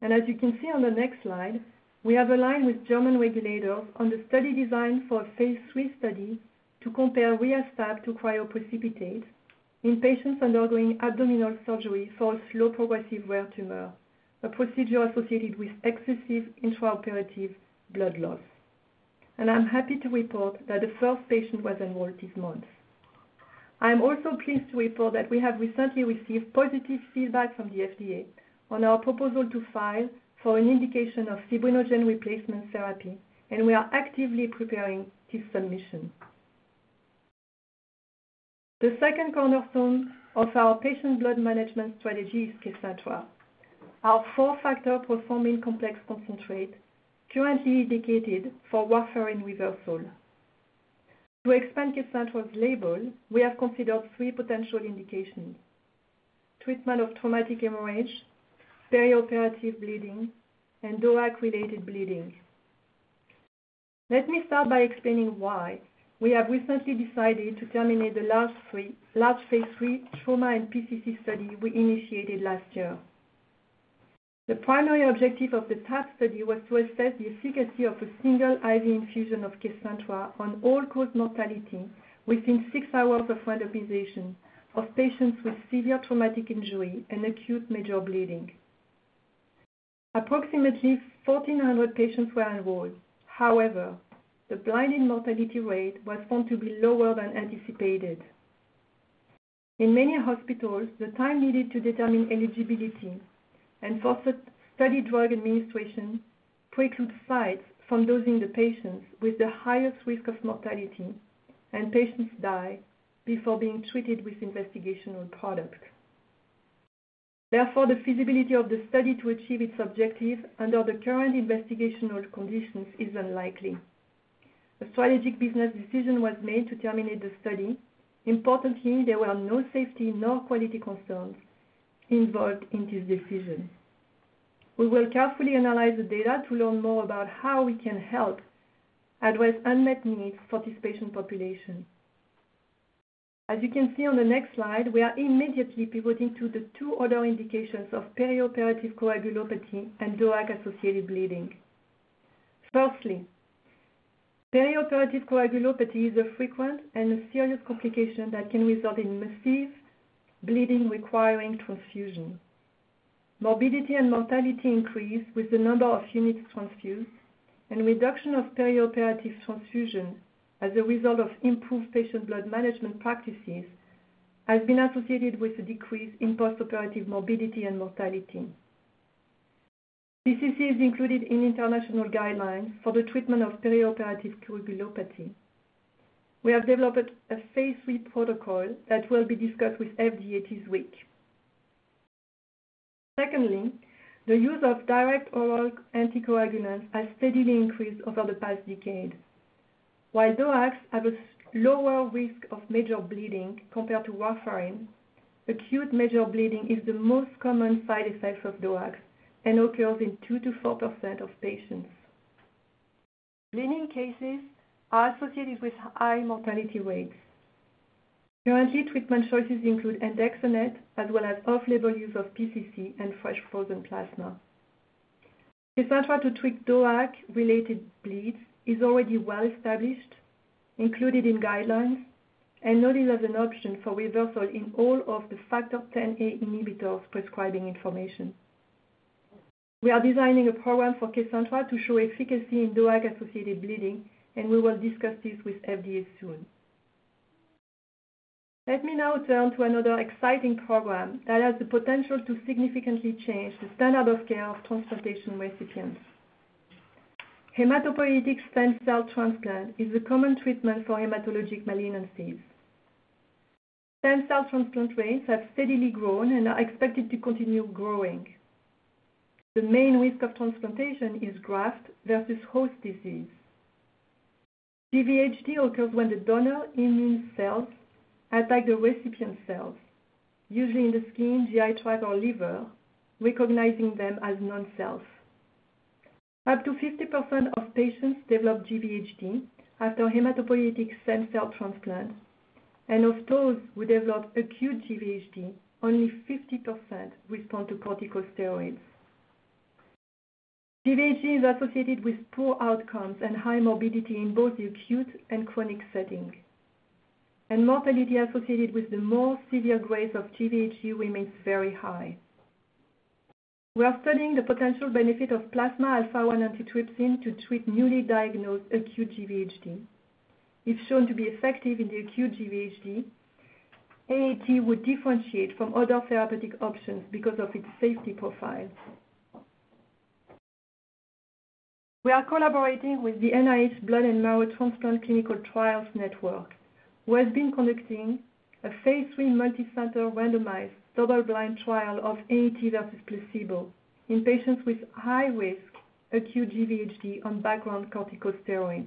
S5: And as you can see on the next slide, we have aligned with German regulators on the study design for a Phase 3 study to compare RiaSTAP to cryoprecipitate in patients undergoing abdominal surgery for a slow, progressive, rare tumor, a procedure associated with excessive intraoperative blood loss. And I'm happy to report that the first patient was enrolled this month. I am also pleased to report that we have recently received positive feedback from the FDA on our proposal to file for an indication of fibrinogen replacement therapy, and we are actively preparing this submission. The second cornerstone of our patient blood management strategy is Kcentra, our four-factor prothrombin complex concentrate currently indicated for warfarin reversal. To expand Kcentra's label, we have considered three potential indications: treatment of traumatic hemorrhage, perioperative bleeding, and DOAC-related bleeding. Let me start by explaining why we have recently decided to terminate the last Phase 3 trauma and PCC study we initiated last year. The primary objective of the TAP study was to assess the efficacy of a single IV infusion of Kcentra on all-cause mortality within six hours of randomization of patients with severe traumatic injury and acute major bleeding. Approximately 1,400 patients were enrolled. However, the blinded mortality rate was found to be lower than anticipated. In many hospitals, the time needed to determine eligibility and for the study drug administration preclude sites from dosing the patients with the highest risk of mortality, and patients die before being treated with investigational product. Therefore, the feasibility of the study to achieve its objective under the current investigational conditions is unlikely. A strategic business decision was made to terminate the study. Importantly, there were no safety, no quality concerns involved in this decision. We will carefully analyze the data to learn more about how we can help address unmet needs for this patient population. As you can see on the next slide, we are immediately pivoting to the two other indications of perioperative coagulopathy and DOAC-associated bleeding. Firstly, perioperative coagulopathy is a frequent and a serious complication that can result in massive bleeding requiring transfusion. Morbidity and mortality increase with the number of units transfused, and reduction of perioperative transfusion as a result of improved patient blood management practices, has been associated with a decrease in postoperative morbidity and mortality. PCC is included in international guidelines for the treatment of perioperative coagulopathy. We have developed a Phase 3 protocol that will be discussed with FDA this week. Secondly, the use of direct oral anticoagulants has steadily increased over the past decade. While DOACs have a lower risk of major bleeding compared to warfarin, acute major bleeding is the most common side effect of DOACs and occurs in 2% to 4% of patients. Bleeding cases are associated with high mortality rates. Currently, treatment choices include andexanet, as well as off-label use of PCC and fresh frozen plasma. Kcentra to treat DOAC-related bleeds is already well established, included in guidelines, and noted as an option for reversal in all of the Factor Xa inhibitors prescribing information. We are designing a program for Kcentra to show efficacy in DOAC-associated bleeding, and we will discuss this with FDA soon. Let me now turn to another exciting program that has the potential to significantly change the standard of care of transplantation recipients. Hematopoietic stem cell transplant is a common treatment for hematologic malignancies. Stem cell transplant rates have steadily grown and are expected to continue growing. The main risk of transplantation is graft-versus-host disease. GVHD occurs when the donor immune cells attack the recipient cells, usually in the skin, GI tract, or liver, recognizing them as non-self. Up to 50% of patients develop GVHD after hematopoietic stem cell transplant, and of those who develop acute GVHD, only 50% respond to corticosteroids. GVHD is associated with poor outcomes and high morbidity in both the acute and chronic setting, and mortality associated with the more severe grades of GVHD remains very high. We are studying the potential benefit of plasma alpha-1 antitrypsin to treat newly diagnosed acute GVHD. If shown to be effective in the acute GVHD, AAT would differentiate from other therapeutic options because of its safety profile. We are collaborating with the NIH Blood and Marrow Transplant Clinical Trials Network. We have been conducting a Phase 3, multicenter, randomized, double-blind trial of AAT versus placebo in patients with high-risk acute GVHD on background corticosteroids.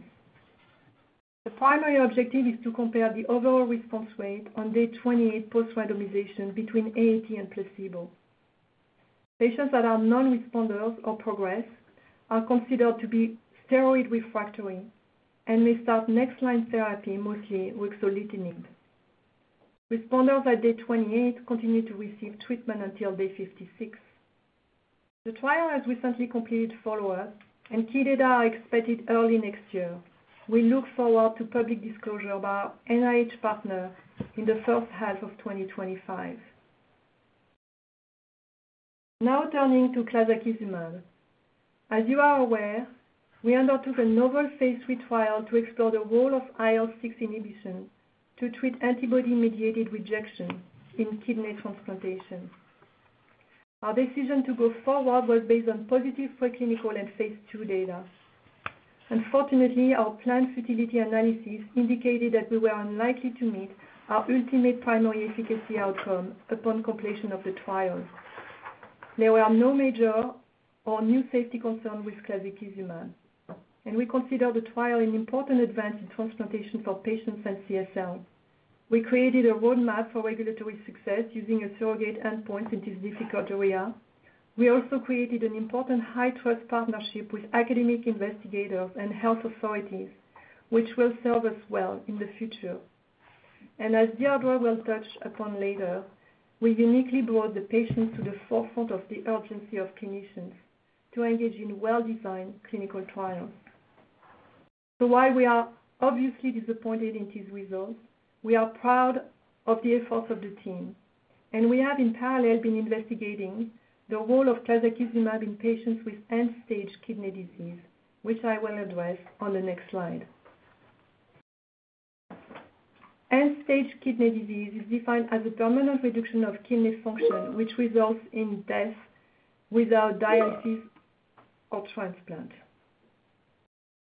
S5: The primary objective is to compare the overall response rate on day 28 post-randomization between AAT and placebo. Patients that are non-responders or progress are considered to be steroid refractory, and we start next line therapy, mostly with ruxolitinib. Responders at day 28 continue to receive treatment until day 56. The trial has recently completed follow-up, and key data are expected early next year. We look forward to public disclosure by our NIH partner in the first half of 2025. Now turning to clazakizumab. As you are aware, we undertook a novel Phase 3 trial to explore the role of IL-6 inhibition to treat antibody-mediated rejection in kidney transplantation. Our decision to go forward was based on positive preclinical and Phase 2 data. Unfortunately, our planned fertility analysis indicated that we were unlikely to meet our ultimate primary efficacy outcome upon completion of the trial. There were no major or new safety concerns with clazakizumab, and we consider the trial an important advance in transplantation for patients and CSL. We created a roadmap for regulatory success using a surrogate endpoint in this difficult area. We also created an important high trust partnership with academic investigators and health authorities, which will serve us well in the future, and as Deirdre will touch upon later, we've uniquely brought the patient to the forefront of the urgency of clinicians to engage in well-designed clinical trials, so while we are obviously disappointed in these results, we are proud of the efforts of the team, and we have in parallel, been investigating the role of clazakizumab in patients with end-stage kidney disease, which I will address on the next slide. End-stage kidney disease is defined as a permanent reduction of kidney function, which results in death without dialysis or transplant.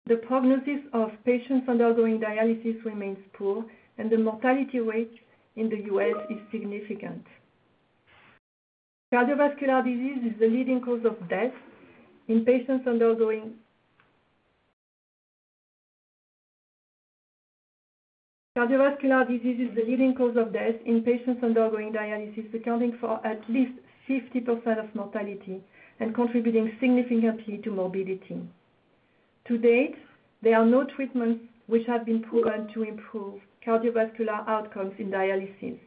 S5: The prognosis of patients undergoing dialysis remains poor, and the mortality rate in the U.S. is significant. Cardiovascular disease is the leading cause of death in patients undergoing dialysis, accounting for at least 50% of mortality and contributing significantly to morbidity. To date, there are no treatments which have been proven to improve cardiovascular outcomes in dialysis.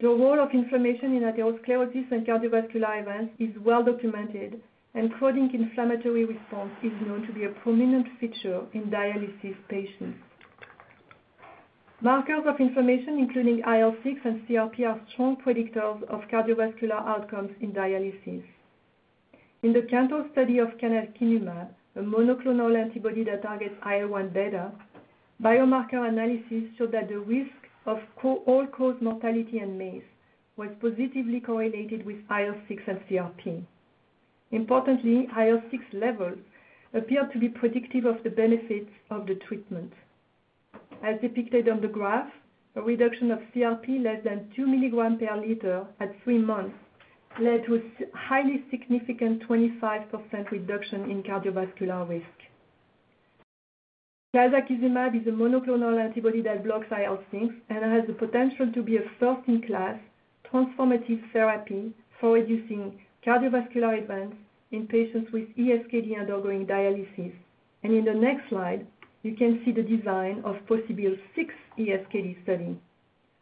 S5: The role of inflammation in atherosclerosis and cardiovascular events is well documented, and chronic inflammatory response is known to be a prominent feature in dialysis patients. Markers of inflammation, including IL-6 and CRP, are strong predictors of cardiovascular outcomes in dialysis. In the CANTOS study of canakinumab, a monoclonal antibody that targets IL-1 beta, biomarker analysis showed that the risk of CV and all-cause mortality and MACE was positively correlated with IL-6 and CRP. Importantly, IL-6 levels appeared to be predictive of the benefits of the treatment. As depicted on the graph, a reduction of CRP less than two milligrams per liter at three months led to a highly significant 25% reduction in cardiovascular risk. Clazakizumab is a monoclonal antibody that blocks IL-6 and has the potential to be a first-in-class transformative therapy for reducing cardiovascular events in patients with ESKD undergoing dialysis. In the next slide, you can see the design of the Phase 3 ESKD study.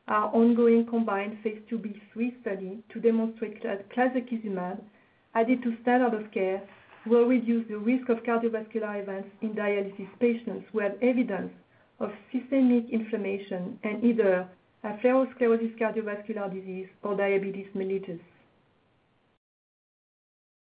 S5: Our ongoing combined Phase 2/3 study to demonstrate that clazakizumab, added to standard of care, will reduce the risk of cardiovascular events in dialysis patients who have evidence of systemic inflammation and either atherosclerosis, cardiovascular disease, or diabetes mellitus.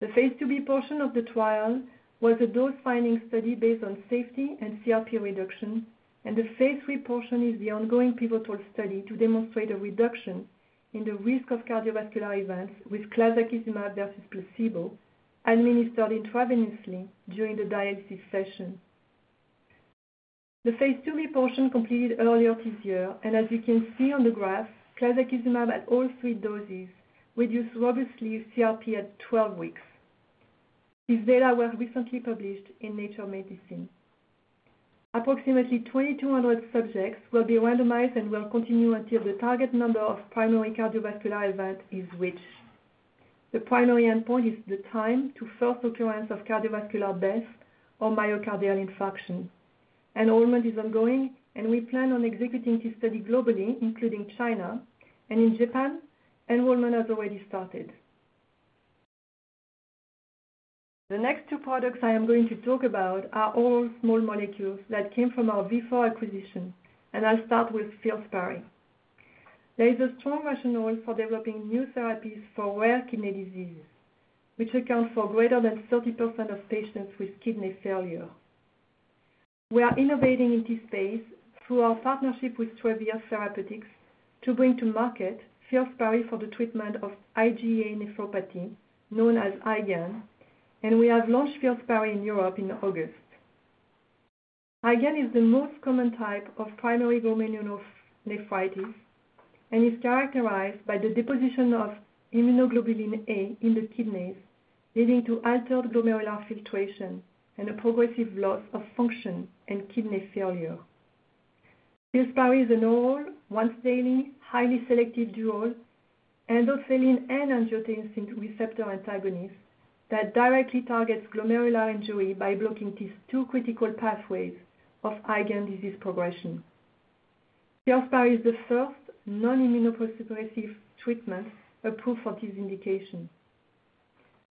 S5: The Phase 2b portion of the trial was a dose-finding study based on safety and CRP reduction, and the Phase 3 portion is the ongoing pivotal study to demonstrate a reduction in the risk of cardiovascular events with clazakizumab versus placebo, administered intravenously during the dialysis session. The Phase 2b portion completed earlier this year, and as you can see on the graph, clazakizumab at all three doses reduced robustly CRP at twelve weeks. This data was recently published in Nature Medicine. Approximately 2,200 subjects will be randomized and will continue until the target number of primary cardiovascular event is reached. The primary endpoint is the time to first occurrence of cardiovascular death or myocardial infarction. Enrollment is ongoing, and we plan on executing this study globally, including in China and in Japan, enrollment has already started. The next two products I am going to talk about are all small molecules that came from our Vifor acquisition, and I'll start with Filspari. There is a strong rationale for developing new therapies for rare kidney disease, which account for greater than 30% of patients with kidney failure. We are innovating in this space through our partnership with Travere Therapeutics to bring to market Filspari for the treatment of IgA nephropathy, known as IgAN, and we have launched Filspari in Europe in August. IgA is the most common type of primary glomerulonephritis, and is characterized by the deposition of immunoglobulin A in the kidneys, leading to altered glomerular filtration and a progressive loss of function and kidney failure. Filspari is an oral, once daily, highly selective dual endothelin and angiotensin receptor antagonist, that directly targets glomerular injury by blocking these two critical pathways of IgA disease progression. Filspari is the first non-immunosuppressive treatment approved for this indication,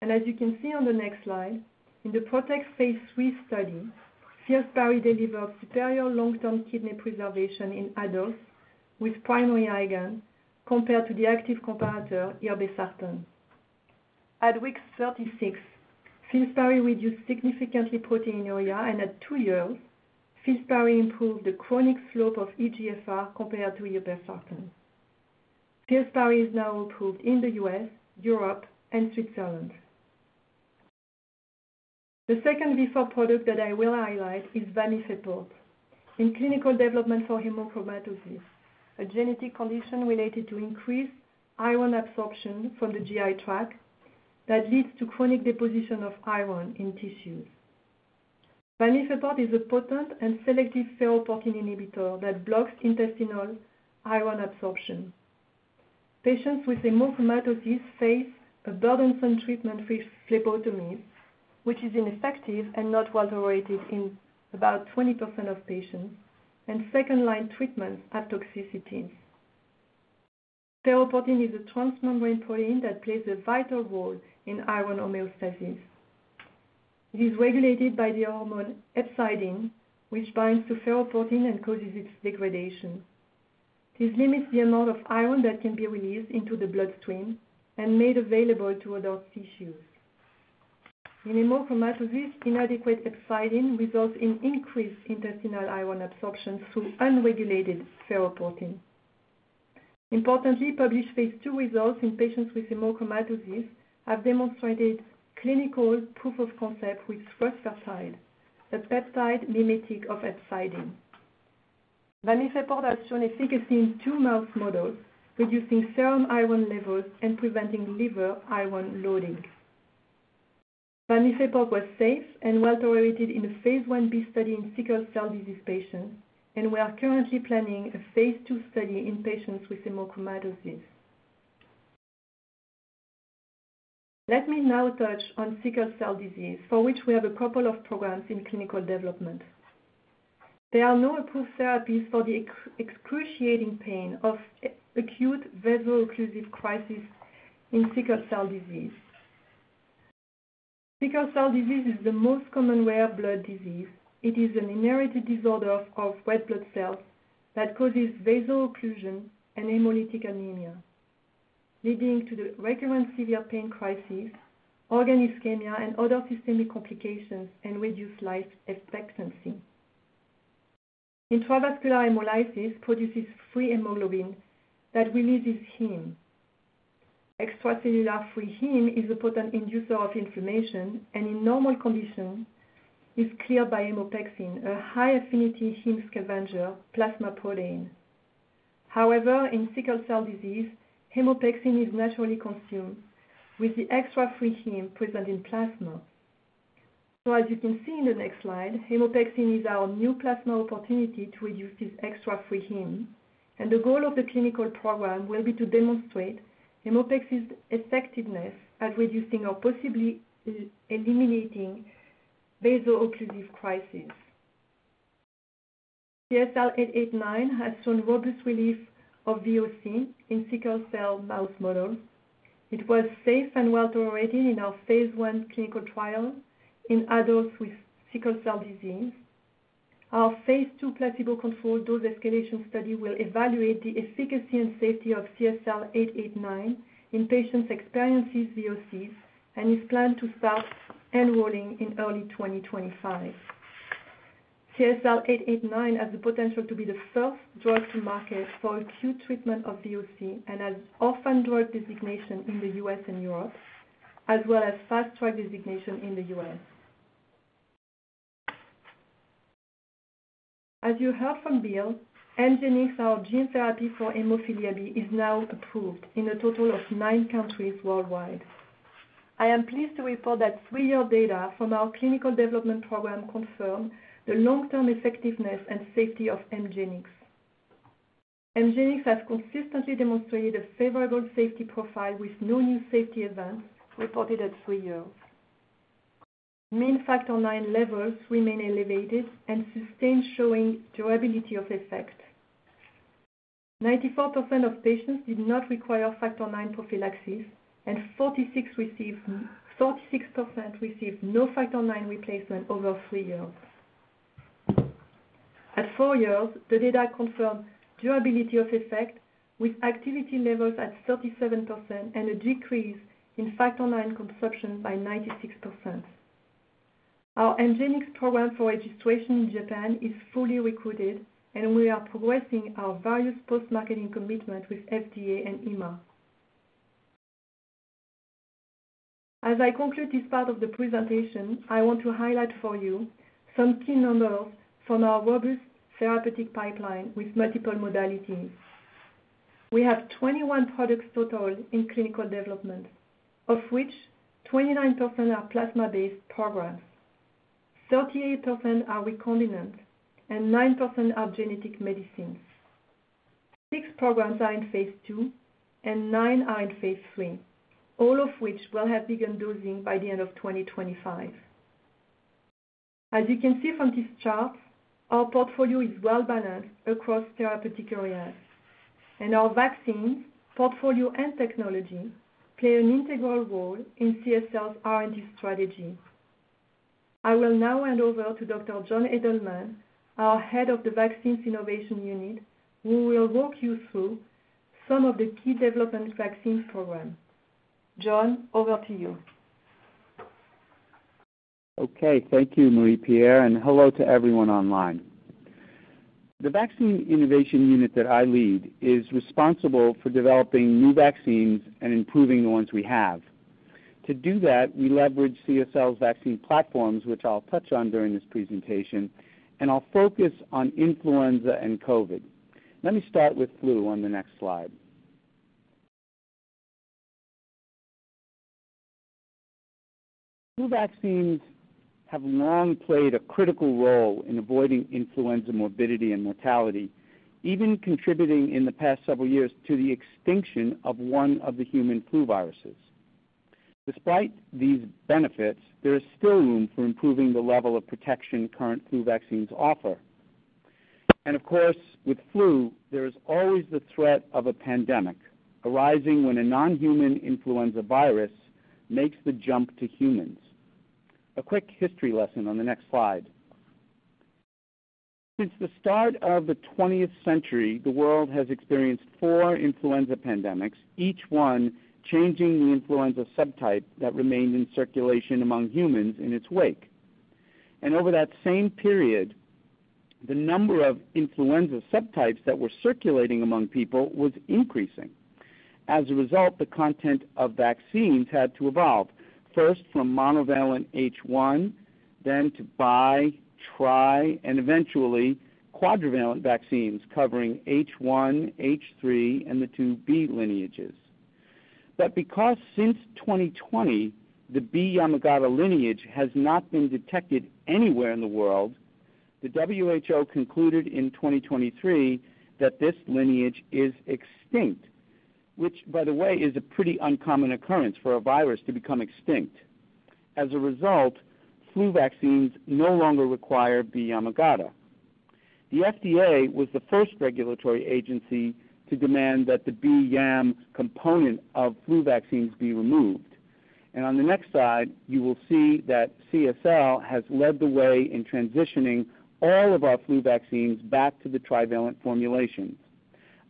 S5: and as you can see on the next slide, in the PROTECT Phase 3 study, Filspari delivered superior long-term kidney preservation in adults with primary IgA, compared to the active comparator, irbesartan. At week 36, Filspari reduced significantly proteinuria, and at two years, Filspari improved the chronic slope of eGFR compared to irbesartan. Filspari is now approved in the U.S., Europe, and Switzerland. The second Vifor product that I will highlight is vamifeport, in clinical development for hemochromatosis, a genetic condition related to increased iron absorption from the GI tract, that leads to chronic deposition of iron in tissues. Vamifeport is a potent and selective ferroportin inhibitor that blocks intestinal iron absorption. Patients with hemochromatosis face a burdensome treatment with phlebotomy, which is ineffective and not well tolerated in about 20% of patients, and second line treatments have toxicities. Ferroportin is a transmembrane protein that plays a vital role in iron homeostasis. It is regulated by the hormone hepcidin, which binds to ferroportin and causes its degradation. This limits the amount of iron that can be released into the bloodstream and made available to other tissues. In hemochromatosis, inadequate hepcidin results in increased intestinal iron absorption through unregulated ferroportin. Importantly, published Phase 2 results in patients with hemochromatosis have demonstrated clinical proof of concept with rusfertide, a peptide mimetic of hepcidin. Vamifeport has shown efficacy in two mouse models, reducing serum iron levels and preventing liver iron loading. Vamifeport was safe and well tolerated in a Phase 1b study in sickle cell disease patients, and we are currently planning a Phase 2 study in patients with hemochromatosis. Let me now touch on sickle cell disease, for which we have a couple of programs in clinical development. There are no approved therapies for the excruciating pain of acute vaso-occlusive crisis in sickle cell disease. Sickle cell disease is the most common rare blood disease. It is an inherited disorder of red blood cells that causes vaso-occlusion and hemolytic anemia, leading to the recurrent severe pain crisis, organ ischemia, and other systemic complications, and reduced life expectancy. Intravascular hemolysis produces free hemoglobin that releases heme. Extracellular free heme is a potent inducer of inflammation, and in normal conditions, is cleared by hemopexin, a high affinity heme scavenger, plasma protein. However, in sickle cell disease, hemopexin is naturally consumed, with the extra free heme present in plasma. So as you can see in the next slide, hemopexin is our new plasma opportunity to reduce this extra free heme. The goal of the clinical program will be to demonstrate hemopexin's effectiveness at reducing or possibly eliminating vaso-occlusive crisis. CSL889 has shown robust relief of VOC in sickle cell mouse model. It was safe and well tolerated in our Phase 1 clinical trial in adults with sickle cell disease. Our Phase 2 placebo-controlled dose escalation study will evaluate the efficacy and safety of CSL889 in patients experiencing VOC, and is planned to start enrolling in early 2025. CSL889 has the potential to be the first drug to market for acute treatment of VOC, and has orphan drug designation in the U.S. and Europe, as well as fast track designation in the U.S. As you heard from Bill, Hemgenix, our gene therapy for hemophilia B, is now approved in a total of nine countries worldwide. I am pleased to report that three-year data from our clinical development program confirm the long-term effectiveness and safety of Hemgenix. Hemgenix has consistently demonstrated a favorable safety profile, with no new safety events reported at three years. Mean Factor IX levels remain elevated and sustained, showing durability of effect. 94% of patients did not require Factor IX prophylaxis, and 46% received no Factor IX replacement over three years. At four years, the data confirmed durability of effect, with activity levels at 37% and a decrease in Factor IX consumption by 96%. Our Hemgenix program for registration in Japan is fully recruited, and we are progressing our various post-marketing commitments with FDA and EMA. As I conclude this part of the presentation, I want to highlight for you some key numbers from our robust therapeutic pipeline with multiple modalities. We have 21 products total in clinical development, of which 29% are plasma-based programs, 38% are recombinant, and 9% are genetic medicines. Six programs are in Phase 2, and nine are in Phase 3, all of which will have begun dosing by the end of 2025. As you can see from this chart, our portfolio is well-balanced across therapeutic areas, and our vaccines portfolio and technology play an integral role in CSL's R&D strategy. I will now hand over to Dr. Jon Edelman, our head of the Vaccine Innovation Unit, who will walk you through some of the key development vaccine programs. Jon, over to you.
S6: Okay. Thank you, Marie-Pierre, and hello to everyone online. The Vaccine Innovation Unit that I lead is responsible for developing new vaccines and improving the ones we have. To do that, we leverage CSL's vaccine platforms, which I'll touch on during this presentation, and I'll focus on influenza and COVID. Let me start with flu on the next slide. Flu vaccines have long played a critical role in avoiding influenza morbidity and mortality, even contributing in the past several years to the extinction of one of the human flu viruses. Despite these benefits, there is still room for improving the level of protection current flu vaccines offer, and of course, with flu, there is always the threat of a pandemic arising when a non-human influenza virus makes the jump to humans. A quick history lesson on the next slide. Since the start of the twentieth century, the world has experienced four influenza pandemics, each one changing the influenza subtype that remains in circulation among humans in its wake. Over that same period, the number of influenza subtypes that were circulating among people was increasing. As a result, the content of vaccines had to evolve, first from monovalent H1, then to bi, tri, and eventually quadrivalent vaccines covering H1, H3, and the two B lineages. Because since 2020, the B/Yamagata lineage has not been detected anywhere in the world, the WHO concluded in 2023 that this lineage is extinct, which, by the way, is a pretty uncommon occurrence for a virus to become extinct. As a result, flu vaccines no longer require B/Yamagata. The FDA was the first regulatory agency to demand that the B/Yam component of flu vaccines be removed. And on the next slide, you will see that CSL has led the way in transitioning all of our flu vaccines back to the trivalent formulation,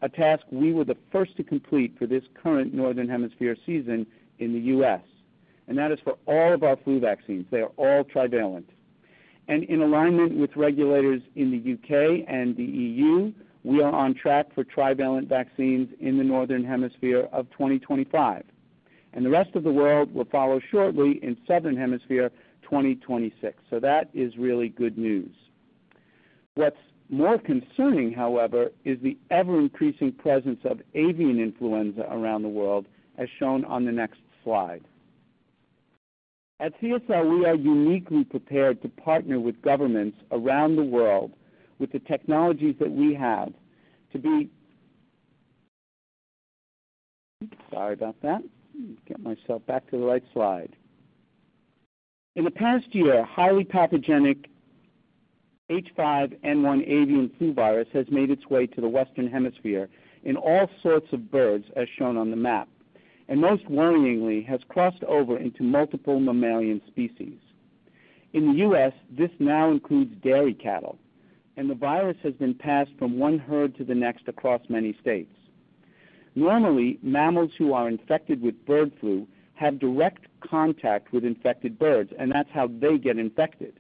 S6: a task we were the first to complete for this current Northern Hemisphere season in the U.S., and that is for all of our flu vaccines. They are all trivalent. And in alignment with regulators in the U.K. and the E.U., we are on track for trivalent vaccines in the Northern Hemisphere of twenty twenty-five, and the rest of the world will follow shortly in Southern Hemisphere, twenty twenty-six. So that is really good news. What's more concerning, however, is the ever-increasing presence of avian influenza around the world, as shown on the next slide. At CSL, we are uniquely prepared to partner with governments around the world with the technologies that we have to be... Sorry about that. Let me get myself back to the right slide. In the past year, a highly pathogenic H5N1 avian flu virus has made its way to the Western Hemisphere in all sorts of birds, as shown on the map, and most worryingly, has crossed over into multiple mammalian species. In the U.S., this now includes dairy cattle, and the virus has been passed from one herd to the next across many states. Normally, mammals who are infected with bird flu have direct contact with infected birds, and that's how they get infected.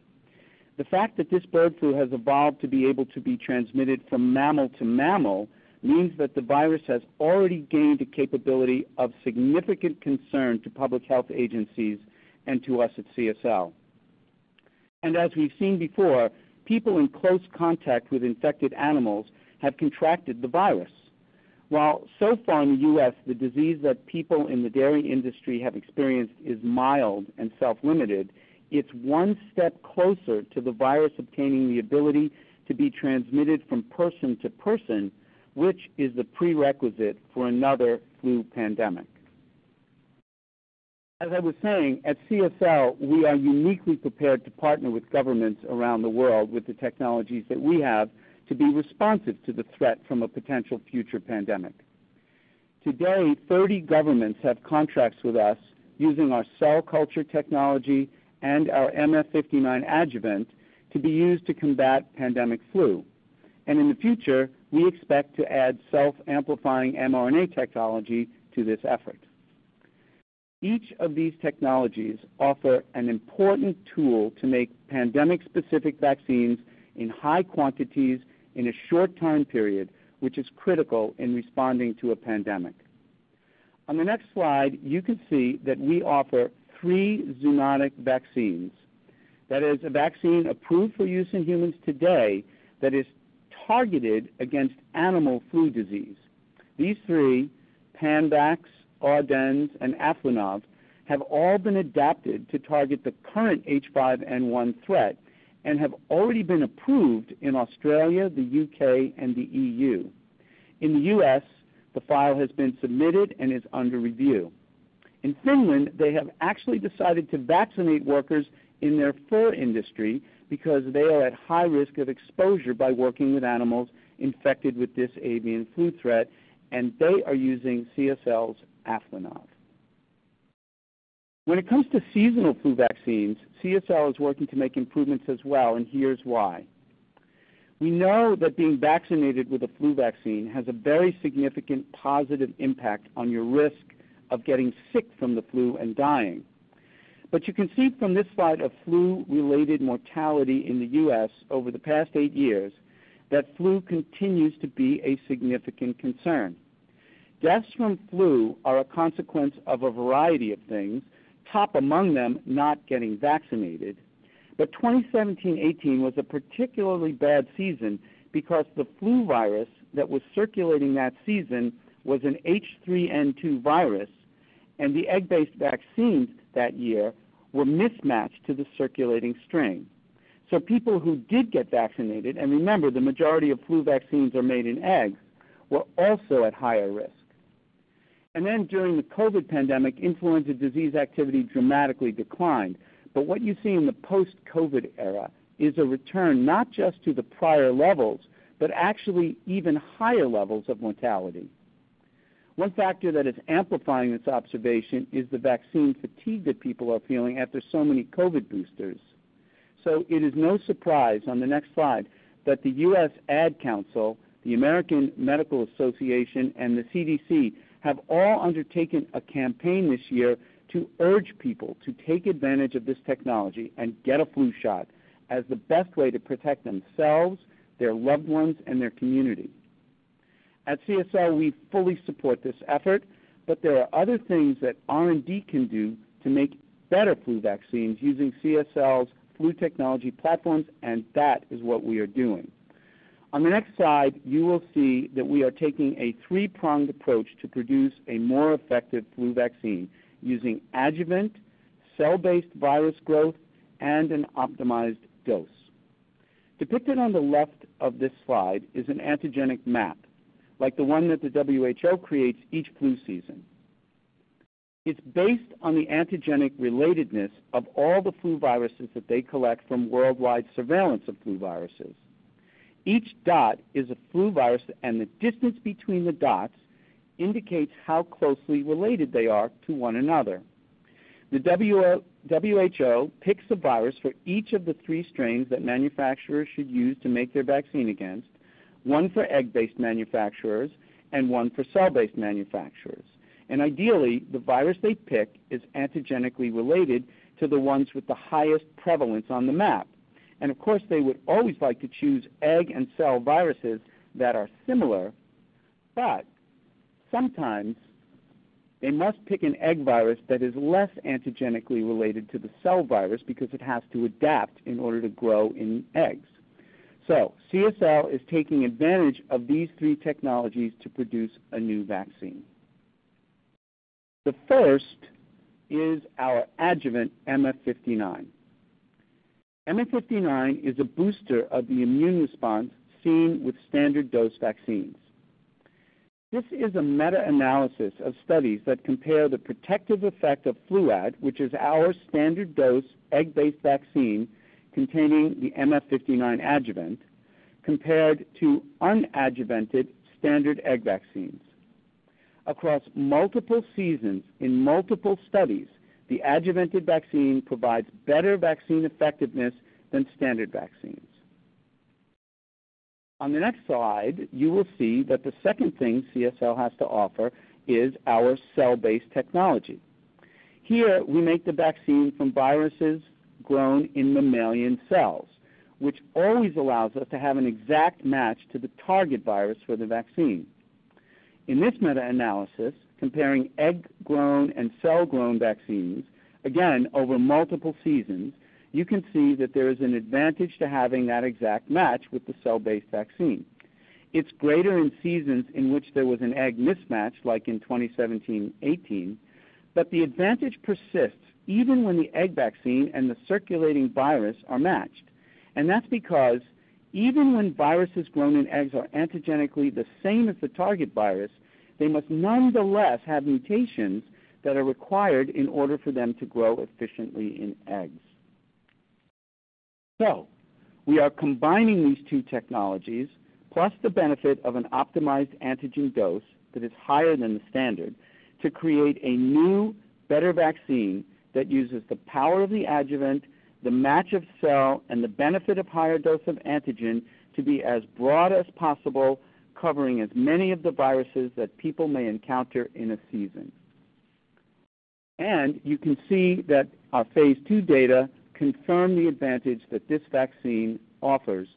S6: The fact that this bird flu has evolved to be able to be transmitted from mammal to mammal means that the virus has already gained the capability of significant concern to public health agencies and to us at CSL, and as we've seen before, people in close contact with infected animals have contracted the virus. While so far in the U.S., the disease that people in the dairy industry have experienced is mild and self-limited, it's one step closer to the virus obtaining the ability to be transmitted from person to person, which is the prerequisite for another flu pandemic. As I was saying, at CSL, we are uniquely prepared to partner with governments around the world with the technologies that we have to be responsive to the threat from a potential future pandemic. Today, 30 governments have contracts with us using our cell culture technology and our MF59 adjuvant to be used to combat pandemic flu. And in the future, we expect to add self-amplifying mRNA technology to this effort. Each of these technologies offer an important tool to make pandemic-specific vaccines in high quantities in a short time period, which is critical in responding to a pandemic. On the next slide, you can see that we offer three zoonotic vaccines. That is a vaccine approved for use in humans today that is targeted against animal flu disease. These three, Panvax, Audenz, and Aflunov, have all been adapted to target the current H5N1 threat and have already been approved in Australia, the U.K., and the E.U. In the U.S., the file has been submitted and is under review. In Finland, they have actually decided to vaccinate workers in their fur industry because they are at high risk of exposure by working with animals infected with this avian flu threat, and they are using CSL's Aflunov. When it comes to seasonal flu vaccines, CSL is working to make improvements as well, and here's why. We know that being vaccinated with a flu vaccine has a very significant positive impact on your risk of getting sick from the flu and dying. But you can see from this slide of flu-related mortality in the U.S. over the past eight years, that flu continues to be a significant concern. Deaths from flu are a consequence of a variety of things, top among them, not getting vaccinated. But twenty seventeen-eighteen was a particularly bad season because the flu virus that was circulating that season was an H3N2 virus, and the egg-based vaccines that year were mismatched to the circulating strain. So people who did get vaccinated, and remember, the majority of flu vaccines are made in eggs, were also at higher risk. And then during the COVID pandemic, influenza disease activity dramatically declined. But what you see in the post-COVID era is a return not just to the prior levels, but actually even higher levels of mortality. One factor that is amplifying this observation is the vaccine fatigue that people are feeling after so many COVID boosters. So it is no surprise on the next slide, that the U.S. Ad Council, the American Medical Association, and the CDC, have all undertaken a campaign this year to urge people to take advantage of this technology and get a flu shot as the best way to protect themselves, their loved ones, and their community. At CSL, we fully support this effort, but there are other things that R&D can do to make better flu vaccines using CSL's flu technology platforms, and that is what we are doing. On the next slide, you will see that we are taking a three-pronged approach to produce a more effective flu vaccine using adjuvant, cell-based virus growth, and an optimized dose. Depicted on the left of this slide is an antigenic map, like the one that the WHO creates each flu season. It's based on the antigenic relatedness of all the flu viruses that they collect from worldwide surveillance of flu viruses. Each dot is a flu virus, and the distance between the dots indicates how closely related they are to one another. The WHO picks a virus for each of the three strains that manufacturers should use to make their vaccine against, one for egg-based manufacturers and one for cell-based manufacturers, and ideally, the virus they pick is antigenically related to the ones with the highest prevalence on the map. Of course, they would always like to choose egg and cell viruses that are similar, but sometimes they must pick an egg virus that is less antigenically related to the cell virus because it has to adapt in order to grow in eggs. CSL is taking advantage of these three technologies to produce a new vaccine. The first is our adjuvant, MF59. MF59 is a booster of the immune response seen with standard dose vaccines. This is a meta-analysis of studies that compare the protective effect of Fluad, which is our standard dose egg-based vaccine containing the MF59 adjuvant, compared to unadjuvanted standard egg vaccines. Across multiple seasons in multiple studies, the adjuvanted vaccine provides better vaccine effectiveness than standard vaccines. On the next slide, you will see that the second thing CSL has to offer is our cell-based technology. Here, we make the vaccine from viruses grown in mammalian cells, which always allows us to have an exact match to the target virus for the vaccine. In this meta-analysis, comparing egg-grown and cell-grown vaccines, again, over multiple seasons, you can see that there is an advantage to having that exact match with the cell-based vaccine. It's greater in seasons in which there was an egg mismatch, like in 2017-2018, but the advantage persists even when the egg vaccine and the circulating virus are matched, and that's because even when viruses grown in eggs are antigenically the same as the target virus, they must nonetheless have mutations that are required in order for them to grow efficiently in eggs. We are combining these two technologies, plus the benefit of an optimized antigen dose that is higher than the standard, to create a new, better vaccine that uses the power of the adjuvant, the MF59, and the benefit of higher dose of antigen to be as broad as possible, covering as many of the viruses that people may encounter in a season. You can see that our Phase 2 data confirm the advantage that this vaccine offers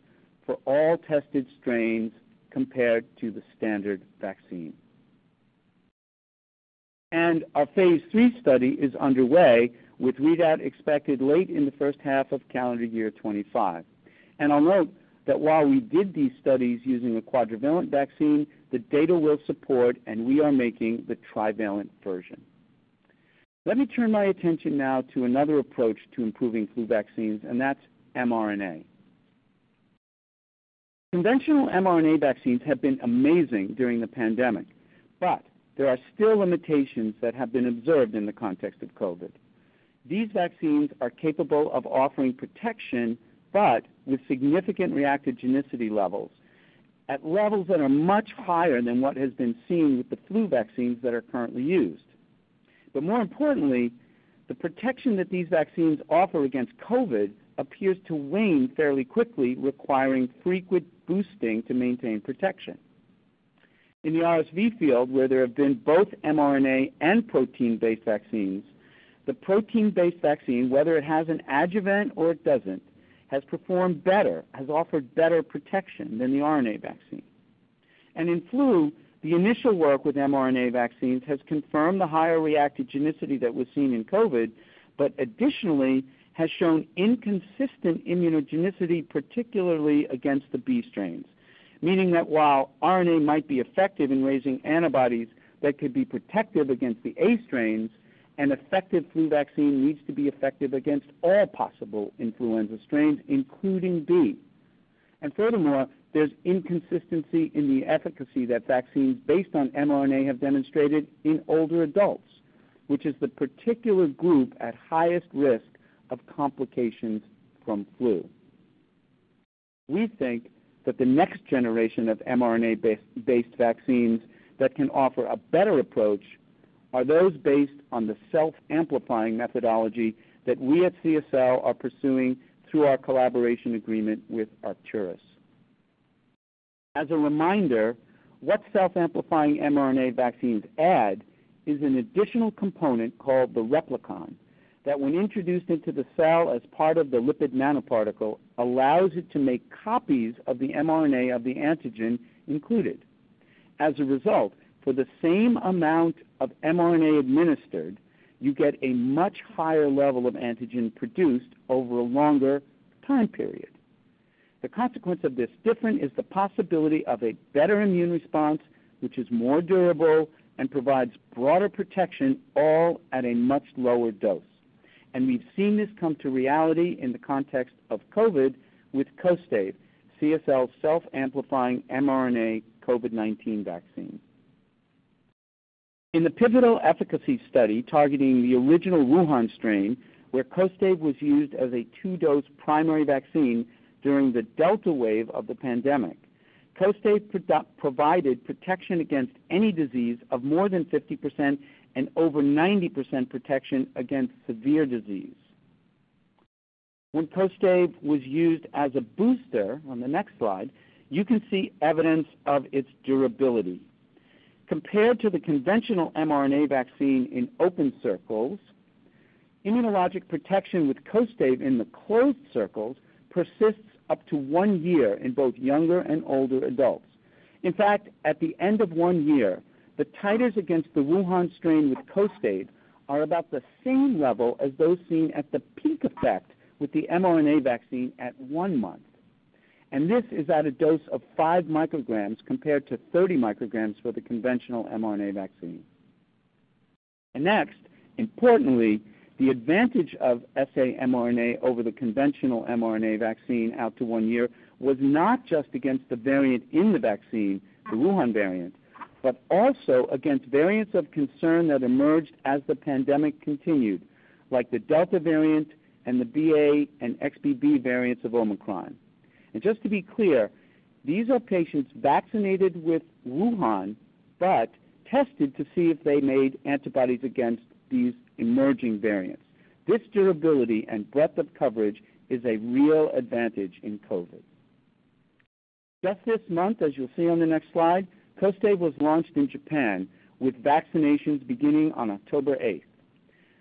S6: for all tested strains compared to the standard vaccine. Our Phase 3 study is underway, with readout expected late in the first half of calendar year 2025. I'll note that while we did these studies using a quadrivalent vaccine, the data will support, and we are making the trivalent version. Let me turn my attention now to another approach to improving flu vaccines, and that's mRNA. Conventional mRNA vaccines have been amazing during the pandemic, but there are still limitations that have been observed in the context of COVID. These vaccines are capable of offering protection, but with significant reactogenicity levels, at levels that are much higher than what has been seen with the flu vaccines that are currently used, but more importantly, the protection that these vaccines offer against COVID appears to wane fairly quickly, requiring frequent boosting to maintain protection. In the RSV field, where there have been both mRNA and protein-based vaccines, the protein-based vaccine, whether it has an adjuvant or it doesn't, has performed better, has offered better protection than the RNA vaccine, and in flu, the initial work with mRNA vaccines has confirmed the higher reactogenicity that was seen in COVID, but additionally, has shown inconsistent immunogenicity, particularly against the B strains. Meaning that while RNA might be effective in raising antibodies that could be protective against the A strains, an effective flu vaccine needs to be effective against all possible influenza strains, including B. And furthermore, there's inconsistency in the efficacy that vaccines based on mRNA have demonstrated in older adults, which is the particular group at highest risk of complications from flu. We think that the next generation of mRNA-based vaccines that can offer a better approach are those based on the self-amplifying methodology that we at CSL are pursuing through our collaboration agreement with Arcturus. As a reminder, what self-amplifying mRNA vaccines add is an additional component called the replicon, that when introduced into the cell as part of the lipid nanoparticle, allows it to make copies of the mRNA of the antigen included. As a result, for the same amount of mRNA administered, you get a much higher level of antigen produced over a longer time period. The consequence of this difference is the possibility of a better immune response, which is more durable and provides broader protection, all at a much lower dose. We've seen this come to reality in the context of COVID with Kostaive, CSL's self-amplifying mRNA COVID-19 vaccine. In the pivotal efficacy study targeting the original Wuhan strain, where Kostaive was used as a two-dose primary vaccine during the Delta wave of the pandemic, Kostaive provided protection against any disease of more than 50% and over 90% protection against severe disease. When Kostaive was used as a booster, on the next slide, you can see evidence of its durability. Compared to the conventional mRNA vaccine in open circles, immunologic protection with Kostaive in the closed circles persists up to one year in both younger and older adults. In fact, at the end of one year, the titers against the Wuhan strain with Kostaive are about the same level as those seen at the peak effect with the mRNA vaccine at one month, and this is at a dose of five micrograms compared to 30 micrograms for the conventional mRNA vaccine, and next, importantly, the advantage of sa-mRNA over the conventional mRNA vaccine out to one year was not just against the variant in the vaccine, the Wuhan variant, but also against variants of concern that emerged as the pandemic continued, like the Delta variant and the BA and XBB variants of Omicron. Just to be clear, these are patients vaccinated with Wuhan, but tested to see if they made antibodies against these emerging variants. This durability and breadth of coverage is a real advantage in COVID. Just this month, as you'll see on the next slide, Kostaive was launched in Japan, with vaccinations beginning on October eighth.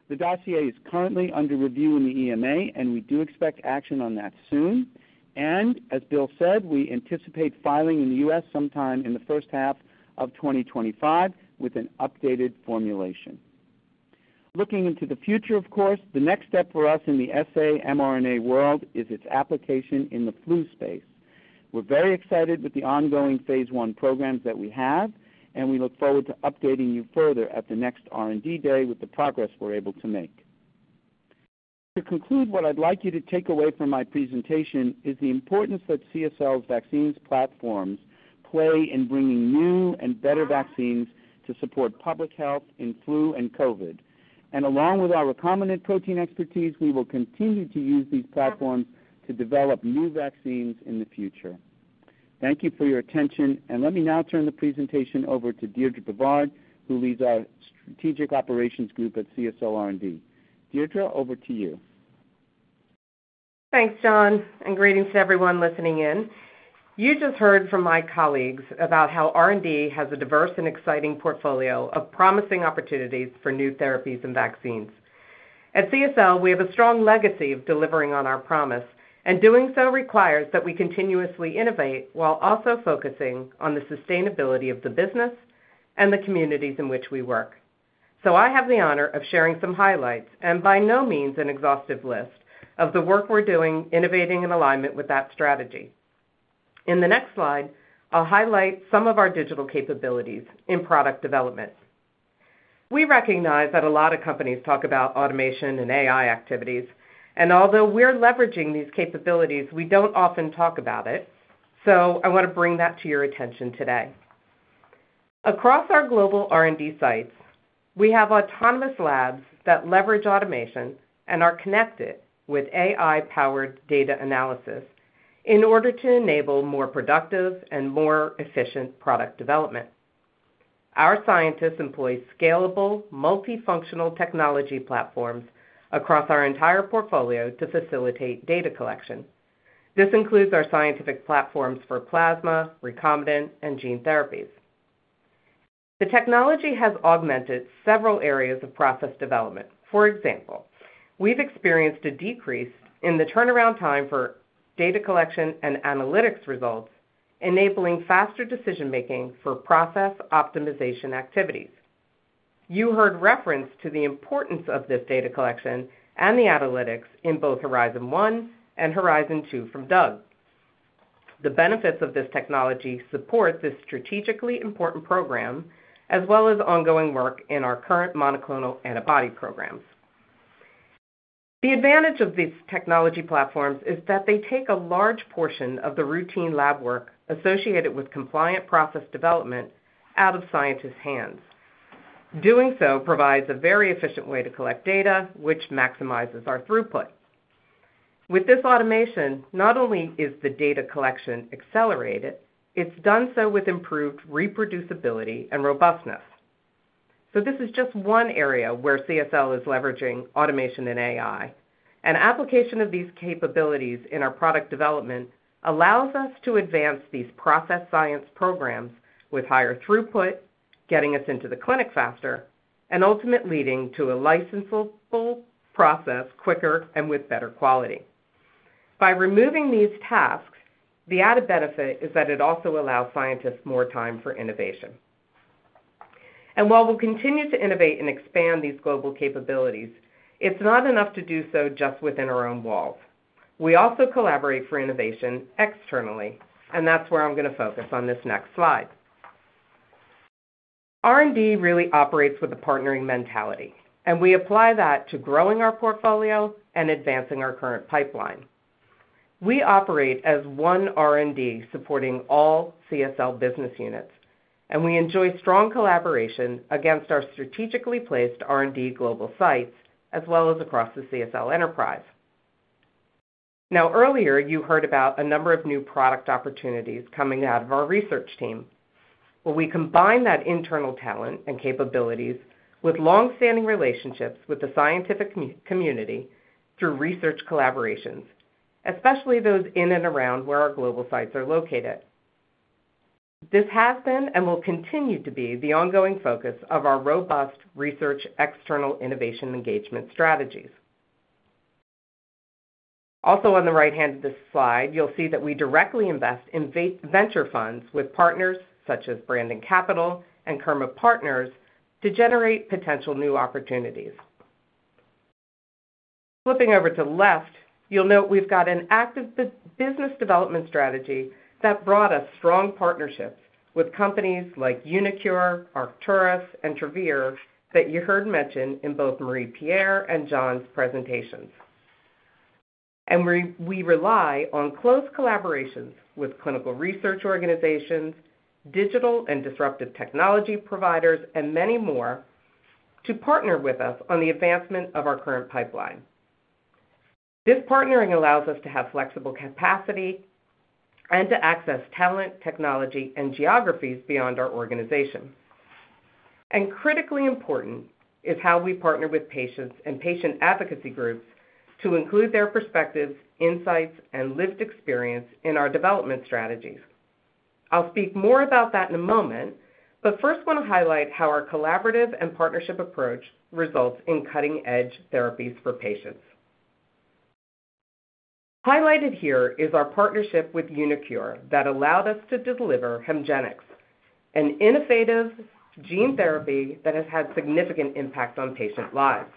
S6: The dossier is currently under review in the EMA, and we do expect action on that soon. As Bill said, we anticipate filing in the U.S. sometime in the first half of 2025, with an updated formulation. Looking into the future, of course, the next step for us in the sa-mRNA world is its application in the flu space. We're very excited with the ongoing Phase 1 programs that we have, and we look forward to updating you further at the next R&D Day with the progress we're able to make. To conclude, what I'd like you to take away from my presentation is the importance that CSL's vaccine platforms play in bringing new and better vaccines to support public health in flu and COVID, and along with our recombinant protein expertise, we will continue to use these platforms to develop new vaccines in the future. Thank you for your attention, and let me now turn the presentation over to Deirdre BeVard, who leads our Strategic Operations group at CSL R&D. Deirdre, over to you.
S7: Thanks, Jon, and greetings to everyone listening in. You just heard from my colleagues about how R&D has a diverse and exciting portfolio of promising opportunities for new therapies and vaccines. At CSL, we have a strong legacy of delivering on our promise, and doing so requires that we continuously innovate while also focusing on the sustainability of the business and the communities in which we work. So I have the honor of sharing some highlights, and by no means an exhaustive list, of the work we're doing, innovating in alignment with that strategy. In the next slide, I'll highlight some of our digital capabilities in product development. We recognize that a lot of companies talk about automation and AI activities, and although we're leveraging these capabilities, we don't often talk about it, so I want to bring that to your attention today. Across our global R&D sites, we have autonomous labs that leverage automation and are connected with AI-powered data analysis in order to enable more productive and more efficient product development. Our scientists employ scalable, multifunctional technology platforms across our entire portfolio to facilitate data collection. This includes our scientific platforms for plasma, recombinant, and gene therapies. The technology has augmented several areas of process development. For example, we've experienced a decrease in the turnaround time for data collection and analytics results, enabling faster decision-making for process optimization activities. You heard reference to the importance of this data collection and the analytics in both Horizon 1 and Horizon 2 from Doug. The benefits of this technology support this strategically important program, as well as ongoing work in our current monoclonal antibody programs. The advantage of these technology platforms is that they take a large portion of the routine lab work associated with compliant process development out of scientists' hands. Doing so provides a very efficient way to collect data, which maximizes our throughput. With this automation, not only is the data collection accelerated, it's done so with improved reproducibility and robustness. So this is just one area where CSL is leveraging automation and AI. An application of these capabilities in our product development allows us to advance these process science programs with higher throughput, getting us into the clinic faster and ultimately leading to a licensable process quicker and with better quality. By removing these tasks, the added benefit is that it also allows scientists more time for innovation. And while we'll continue to innovate and expand these global capabilities, it's not enough to do so just within our own walls. We also collaborate for innovation externally, and that's where I'm going to focus on this next slide. R&D really operates with a partnering mentality, and we apply that to growing our portfolio and advancing our current pipeline. We operate as one R&D, supporting all CSL business units, and we enjoy strong collaboration against our strategically placed R&D global sites, as well as across the CSL enterprise. Now, earlier, you heard about a number of new product opportunities coming out of our research team. Well, we combine that internal talent and capabilities with long-standing relationships with the scientific community through research collaborations, especially those in and around where our global sites are located. This has been and will continue to be the ongoing focus of our robust research, external innovation engagement strategies. Also, on the right-hand of this slide, you'll see that we directly invest in venture funds with partners such as Brandon Capital and Kurma Partners to generate potential new opportunities. Flipping over to the left, you'll note we've got an active business development strategy that brought us strong partnerships with companies like uniQure, Arcturus, and Travere that you heard mentioned in both Marie-Pierre and Jon's presentations. We rely on close collaborations with clinical research organizations, digital and disruptive technology providers, and many more to partner with us on the advancement of our current pipeline. This partnering allows us to have flexible capacity and to access talent, technology, and geographies beyond our organization. Critically important is how we partner with patients and patient advocacy groups to include their perspectives, insights, and lived experience in our development strategies. I'll speak more about that in a moment, but first want to highlight how our collaborative and partnership approach results in cutting-edge therapies for patients. Highlighted here is our partnership with uniQure that allowed us to deliver Hemgenix, an innovative gene therapy that has had significant impact on patient lives.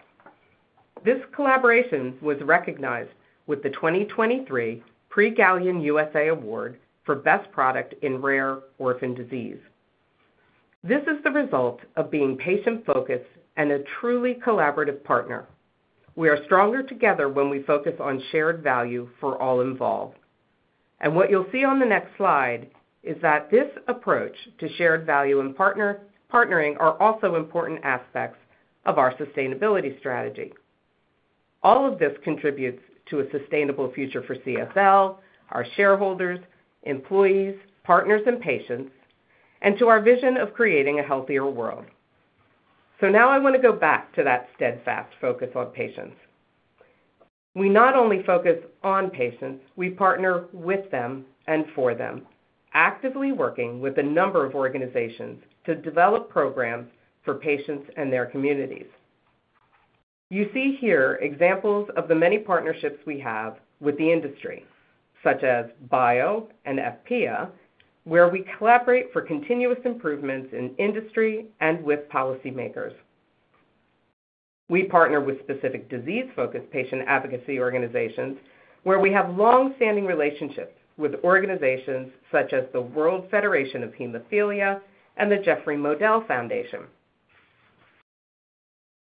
S7: This collaboration was recognized with the 2023 Prix Galien USA Award for Best Product in Rare Orphan Disease. This is the result of being patient-focused and a truly collaborative partner. We are stronger together when we focus on shared value for all involved, and what you'll see on the next slide is that this approach to shared value and partnering are also important aspects of our sustainability strategy. All of this contributes to a sustainable future for CSL, our shareholders, employees, partners, and patients, and to our vision of creating a healthier world. So now I want to go back to that steadfast focus on patients. We not only focus on patients, we partner with them and for them, actively working with a number of organizations to develop programs for patients and their communities. You see here examples of the many partnerships we have with the industry, such as BIO and EFPIA, where we collaborate for continuous improvements in industry and with policymakers. We partner with specific disease-focused patient advocacy organizations, where we have long-standing relationships with organizations such as the World Federation of Hemophilia and the Jeffrey Modell Foundation.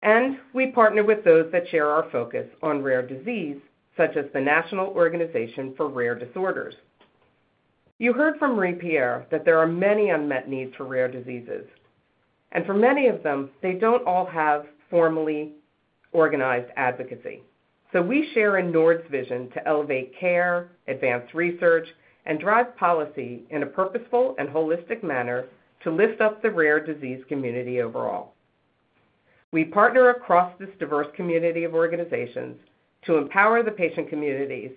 S7: And we partner with those that share our focus on rare disease, such as the National Organization for Rare Disorders. You heard from Marie-Pierre that there are many unmet needs for rare diseases, and for many of them, they don't all have formally organized advocacy. So we share in NORD's vision to elevate care, advance research, and drive policy in a purposeful and holistic manner to lift up the rare disease community overall. We partner across this diverse community of organizations to empower the patient communities,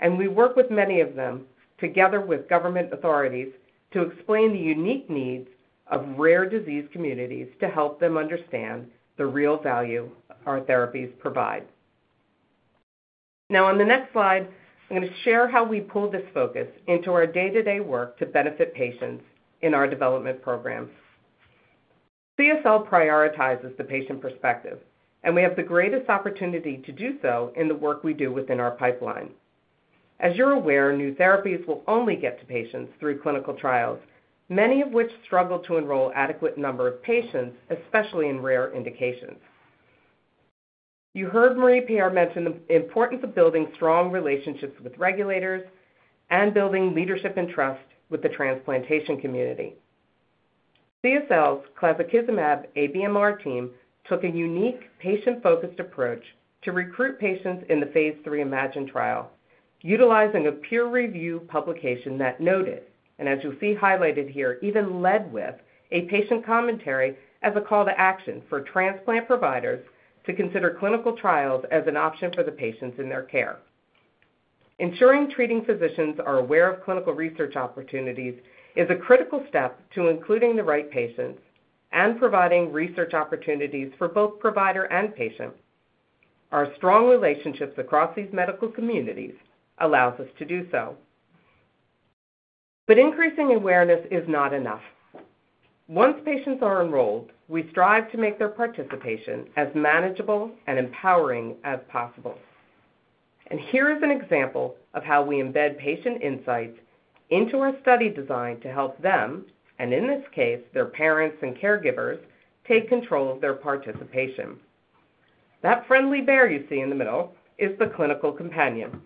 S7: and we work with many of them, together with government authorities, to explain the unique needs of rare disease communities to help them understand the real value our therapies provide. Now, on the next slide, I'm going to share how we pull this focus into our day-to-day work to benefit patients in our development programs. CSL prioritizes the patient perspective, and we have the greatest opportunity to do so in the work we do within our pipeline. As you're aware, new therapies will only get to patients through clinical trials, many of which struggle to enroll adequate number of patients, especially in rare indications. You heard Marie-Pierre mention the importance of building strong relationships with regulators and building leadership and trust with the transplantation community. CSL's clazakizumab ABMR team took a unique patient-focused approach to recruit patients in the Phase 3 IMAGINE trial, utilizing a peer review publication that noted, and as you'll see highlighted here, even led with a patient commentary as a call to action for transplant providers to consider clinical trials as an option for the patients in their care. Ensuring treating physicians are aware of clinical research opportunities is a critical step to including the right patients and providing research opportunities for both provider and patient. Our strong relationships across these medical communities allows us to do so. But increasing awareness is not enough. Once patients are enrolled, we strive to make their participation as manageable and empowering as possible. Here is an example of how we embed patient insights into our study design to help them, and in this case, their parents and caregivers, take control of their participation. That friendly bear you see in the middle is the clinical companion,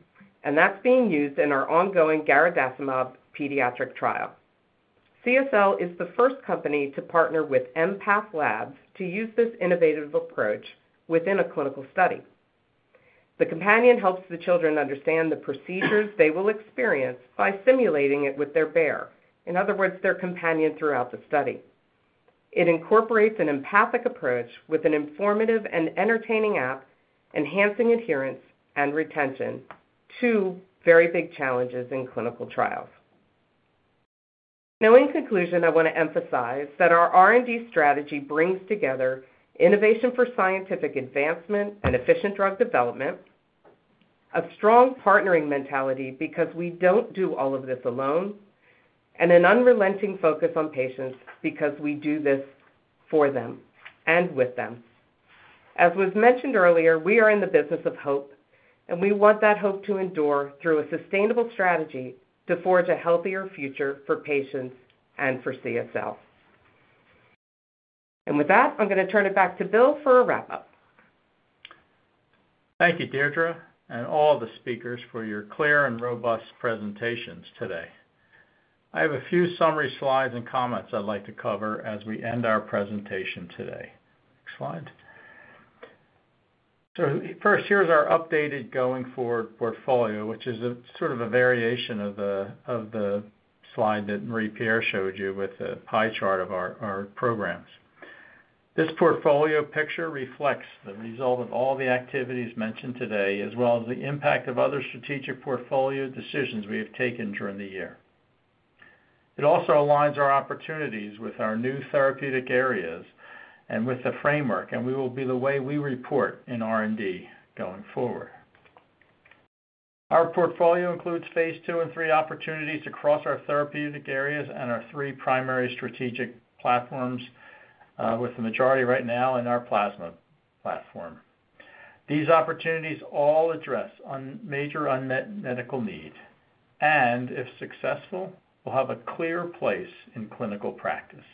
S7: and that's being used in our ongoing garadacimab pediatric trial. CSL is the first company to partner with Empath Labs to use this innovative approach within a clinical study. The companion helps the children understand the procedures they will experience by simulating it with their bear, in other words, their companion throughout the study. It incorporates an empathic approach with an informative and entertaining app, enhancing adherence and retention, two very big challenges in clinical trials. Now, in conclusion, I want to emphasize that our R&D strategy brings together innovation for scientific advancement and efficient drug development, a strong partnering mentality because we don't do all of this alone, and an unrelenting focus on patients because we do this for them and with them. As was mentioned earlier, we are in the business of hope, and we want that hope to endure through a sustainable strategy to forge a healthier future for patients and for CSL. And with that, I'm going to turn it back to Bill for a wrap-up.
S2: Thank you, Deirdre, and all the speakers for your clear and robust presentations today. I have a few summary slides and comments I'd like to cover as we end our presentation today. Next slide. First, here's our updated going forward portfolio, which is a sort of a variation of the slide that Marie-Pierre showed you with a pie chart of our programs. This portfolio picture reflects the result of all the activities mentioned today, as well as the impact of other strategic portfolio decisions we have taken during the year. It also aligns our opportunities with our new therapeutic areas and with the framework, and we will be the way we report in R&D going forward. Our portfolio includes Phase 2 and 3 opportunities across our therapeutic areas and our three primary strategic platforms, with the majority right now in our plasma platform. These opportunities all address one major unmet medical need and, if successful, will have a clear place in clinical practice.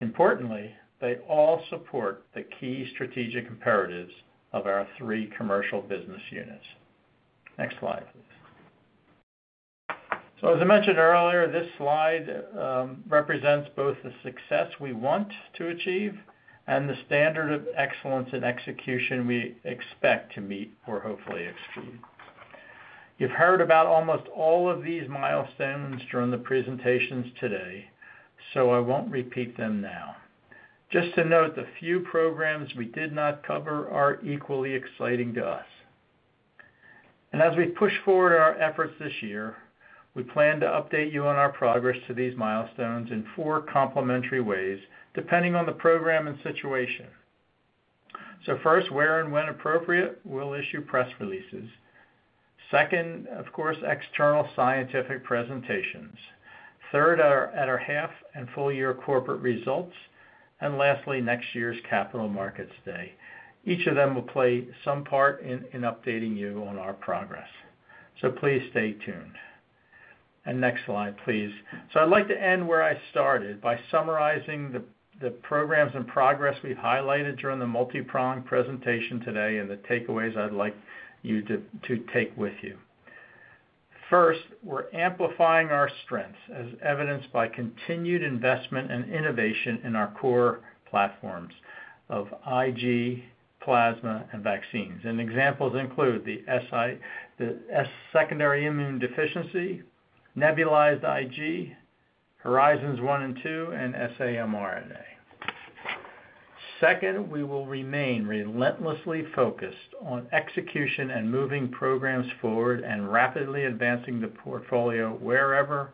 S2: Importantly, they all support the key strategic imperatives of our three commercial business units. Next slide, please. So as I mentioned earlier, this slide represents both the success we want to achieve and the standard of excellence and execution we expect to meet or hopefully exceed. You've heard about almost all of these milestones during the presentations today, so I won't repeat them now. Just to note, the few programs we did not cover are equally exciting to us. And as we push forward our efforts this year, we plan to update you on our progress to these milestones in four complementary ways, depending on the program and situation. So first, where and when appropriate, we'll issue press releases. Second, of course, external scientific presentations. Third, at our half and full year corporate results, and lastly, next year's Capital Markets Day. Each of them will play some part in updating you on our progress, so please stay tuned. And next slide, please. So I'd like to end where I started, by summarizing the programs and progress we've highlighted during the multipronged presentation today and the takeaways I'd like you to take with you. First, we're amplifying our strengths as evidenced by continued investment and innovation in our core platforms of IG, plasma, and vaccines. And examples include the secondary immune deficiency, nebulized IG, Horizons One and Two, and saRNA. Second, we will remain relentlessly focused on execution and moving programs forward and rapidly advancing the portfolio wherever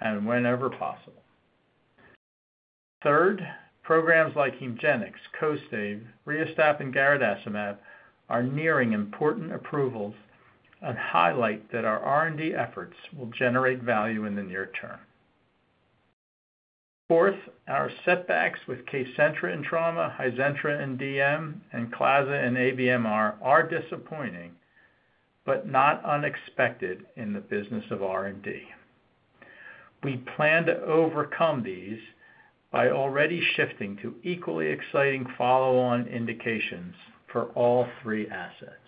S2: and whenever possible. Third, programs like Hemgenix, Kostaive, RiaSTAP, and garadacimab are nearing important approvals and highlight that our R&D efforts will generate value in the near term. Fourth, our setbacks with Kcentra and trauma, Hizentra and DM, and clazakizumab and ABMR are disappointing, but not unexpected in the business of R&D. We plan to overcome these by already shifting to equally exciting follow-on indications for all three assets.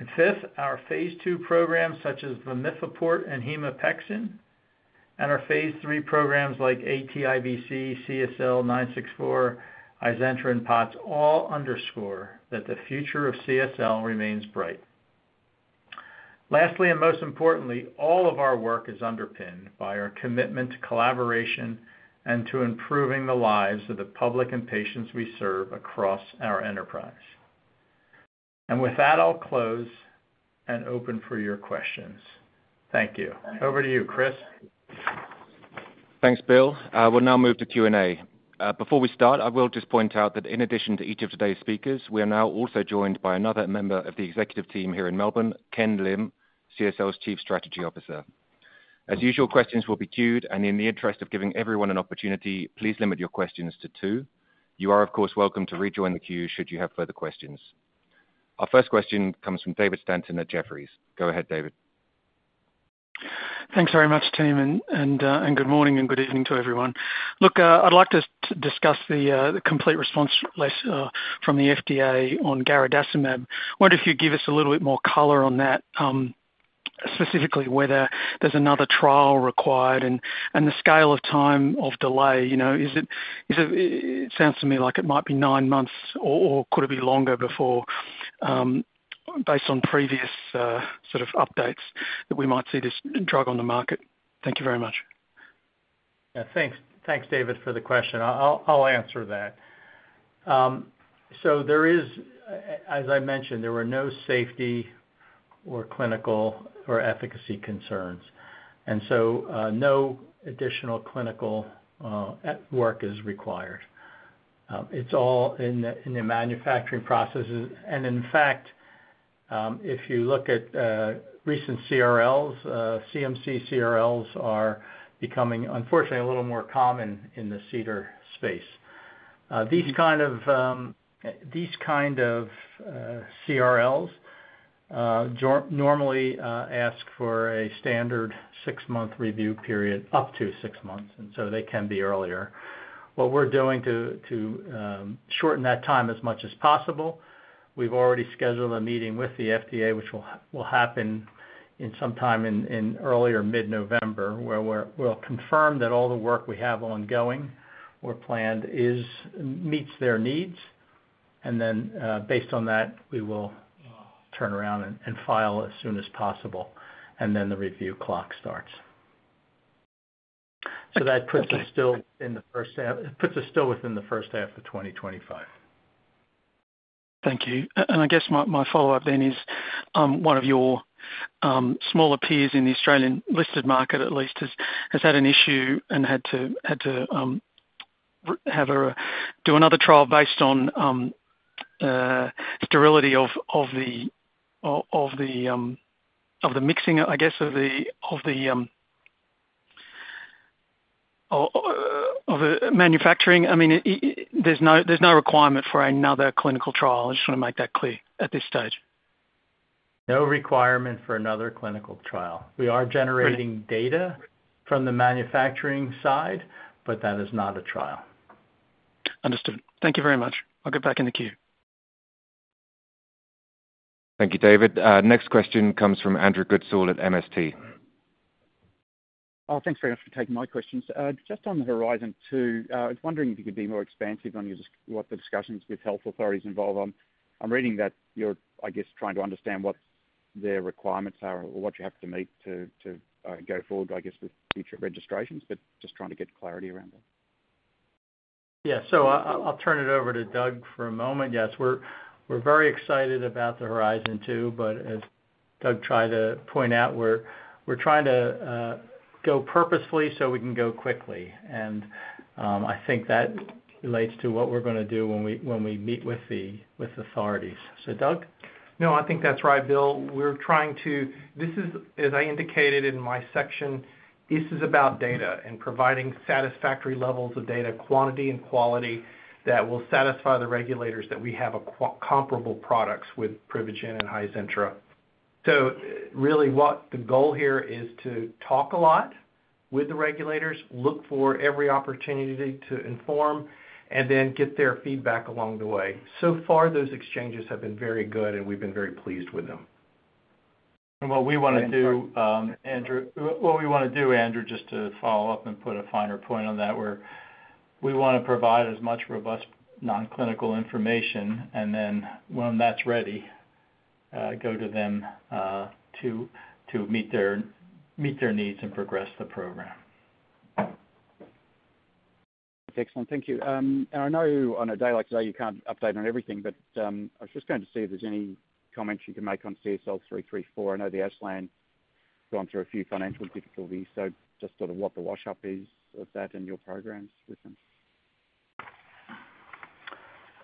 S2: And fifth, our Phase 2 programs, such as vamifeport and hemopexin, and our Phase 3 programs like aTIVc, CSL964, Hizentra, and POTS, all underscore that the future of CSL remains bright. Lastly, and most importantly, all of our work is underpinned by our commitment to collaboration and to improving the lives of the public and patients we serve across our enterprise. And with that, I'll close and open for your questions. Thank you. Over to you, Chris.
S1: Thanks, Bill. We'll now move to Q&A. Before we start, I will just point out that in addition to each of today's speakers, we are now also joined by another member of the executive team here in Melbourne, Ken Lim, CSL's Chief Strategy Officer. As usual, questions will be queued, and in the interest of giving everyone an opportunity, please limit your questions to two. You are, of course, welcome to rejoin the queue should you have further questions. Our first question comes from David Stanton at Jefferies. Go ahead, David.
S8: Thanks very much, team, and good morning and good evening to everyone. Look, I'd like to discuss the complete response letter from the FDA on garadacimab. Wonder if you could give us a little bit more color on that, specifically whether there's another trial required and the scale of time of delay, you know, is it... It sounds to me like it might be nine months or could it be longer before, based on previous sort of updates, that we might see this drug on the market? Thank you very much.
S2: Yeah, thanks. Thanks, David, for the question. I'll answer that. So there is, as I mentioned, there were no safety or clinical or efficacy concerns, and so no additional clinical work is required. It's all in the manufacturing processes. And in fact, if you look at recent CRLs, CMC CRLs are becoming, unfortunately, a little more common in the CDER space. These kind of CRLs normally ask for a standard six-month review period, up to six months, and so they can be earlier. What we're doing to shorten that time as much as possible, we've already scheduled a meeting with the FDA, which will happen in some time in early or mid-November, where we'll confirm that all the work we have ongoing or planned is meets their needs, and then, based on that, we will turn around and file as soon as possible, and then the review clock starts.
S8: Okay.
S2: That puts us still within the first half of 2025.
S8: Thank you. And I guess my follow-up then is one of your smaller peers in the Australian listed market at least has had an issue and had to do another trial based on sterility of the mixing, I guess, of the manufacturing. I mean, there's no requirement for another clinical trial. I just wanna make that clear, at this stage?
S2: No requirement for another clinical trial.
S8: Great.
S2: We are generating data from the manufacturing side, but that is not a trial.
S8: Understood. Thank you very much. I'll get back in the queue.
S1: Thank you, David. Next question comes from Andrew Goodsall at MST.
S9: Oh, thanks very much for taking my questions. Just on the Horizon 2, I was wondering if you could be more expansive on your discussions—what the discussions with health authorities involve. I'm reading that you're, I guess, trying to understand what their requirements are or what you have to meet to go forward, I guess, with future registrations, but just trying to get clarity around that.
S2: Yeah. So I'll turn it over to Doug for a moment. Yes, we're very excited about the Horizon 2, but as Doug tried to point out, we're trying to go purposefully so we can go quickly. And I think that relates to what we're gonna do when we meet with the authorities. So, Doug?
S4: No, I think that's right, Bill. We're trying to. This is, as I indicated in my section, this is about data and providing satisfactory levels of data, quantity and quality, that will satisfy the regulators that we have comparable products with Privigen and Hizentra. So really, what the goal here is to talk a lot with the regulators, look for every opportunity to inform, and then get their feedback along the way. So far, those exchanges have been very good, and we've been very pleased with them.
S2: And what we wanna do, Andrew, just to follow up and put a finer point on that, we wanna provide as much robust non-clinical information, and then when that's ready, go to them, to meet their needs and progress the program.
S9: Excellent. Thank you. And I know on a day like today, you can't update on everything, but I was just going to see if there's any comments you can make on CSL334. I know the ASLAN gone through a few financial difficulties, so just sort of what the wash up is of that and your programs with them.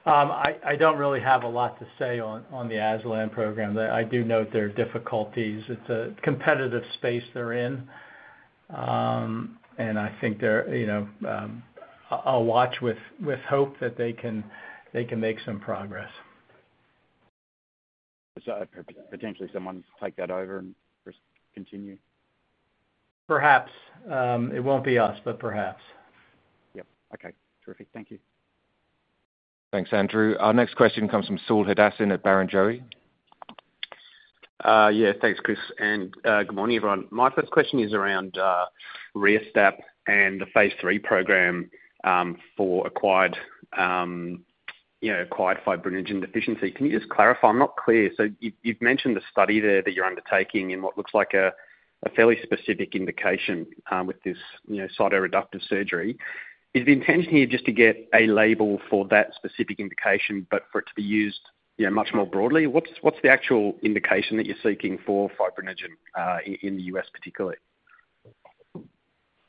S2: I don't really have a lot to say on the ASLAN program, but I do note their difficulties. It's a competitive space they're in, and I think they're, you know, I'll watch with hope that they can make some progress.
S9: So potentially someone take that over and just continue?
S2: Perhaps. It won't be us, but perhaps.
S9: Yep. Okay. Terrific. Thank you.
S1: Thanks, Andrew. Our next question comes from Saul Hadassin at Barrenjoey.
S10: Yeah, thanks, Chris, and good morning, everyone. My first question is around RiaSTAP and the Phase 3 program for acquired, you know, acquired fibrinogen deficiency. Can you just clarify? I'm not clear. So you've mentioned the study there that you're undertaking in what looks like a fairly specific indication with this, you know, cytoreductive surgery. Is the intention here just to get a label for that specific indication, but for it to be used, you know, much more broadly? What's the actual indication that you're seeking for fibrinogen in the U.S., particularly?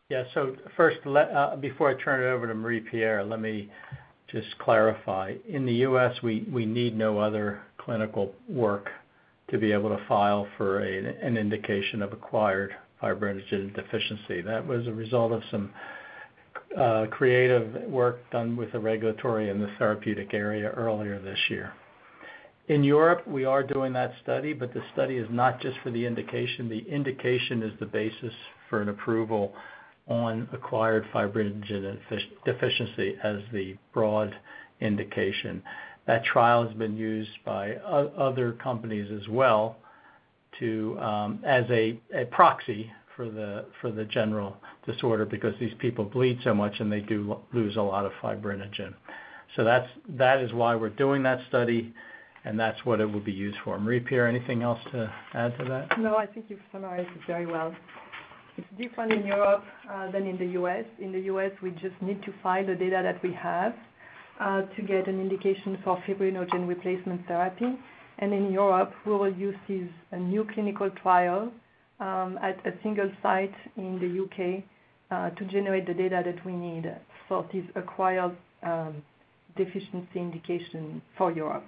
S2: Yeah, so first, before I turn it over to Marie-Pierre, let me just clarify. In the US, we need no other clinical work to be able to file for an indication of acquired fibrinogen deficiency. That was a result of some creative work done with the regulatory and the therapeutic area earlier this year. In Europe, we are doing that study, but the study is not just for the indication. The indication is the basis for an approval on acquired fibrinogen deficiency as the broad indication. That trial has been used by other companies as well to as a proxy for the general disorder, because these people bleed so much, and they do lose a lot of fibrinogen. That is why we're doing that study, and that's what it will be used for. Marie-Pierre, anything else to add to that?
S5: No, I think you've summarized it very well. It's different in Europe than in the U.S. In the U.S., we just need to file the data that we have to get an indication for fibrinogen replacement therapy. And in Europe, we will use a new clinical trial at a single site in the U.K. to generate the data that we need for this acquired deficiency indication for Europe.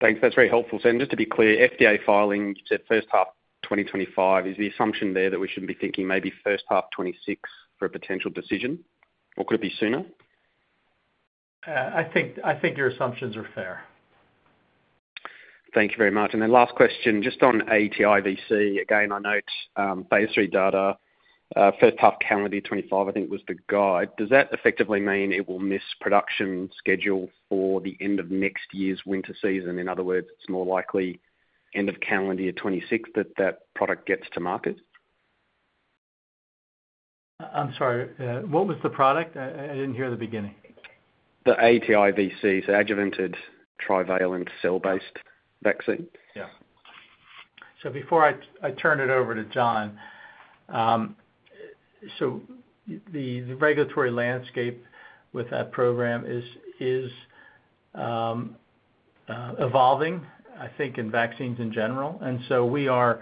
S10: Thanks. That's very helpful. So just to be clear, FDA filing, you said first half 2025. Is the assumption there that we shouldn't be thinking maybe first half 2026 for a potential decision, or could it be sooner?
S2: I think your assumptions are fair.
S10: Thank you very much, and then last question, just on aTIVc, again, I note, Phase 3 data, first half calendar year 2025, I think, was the guide. Does that effectively mean it will miss production schedule for the end of next year's winter season? In other words, it's more likely end of calendar year 2026 that that product gets to market?
S2: I'm sorry, what was the product? I didn't hear the beginning.
S10: The aTIVc, so adjuvanted trivalent cell-based vaccine.
S2: Yeah. So before I turn it over to Jon, so the regulatory landscape with that program is evolving, I think, in vaccines in general. And so we are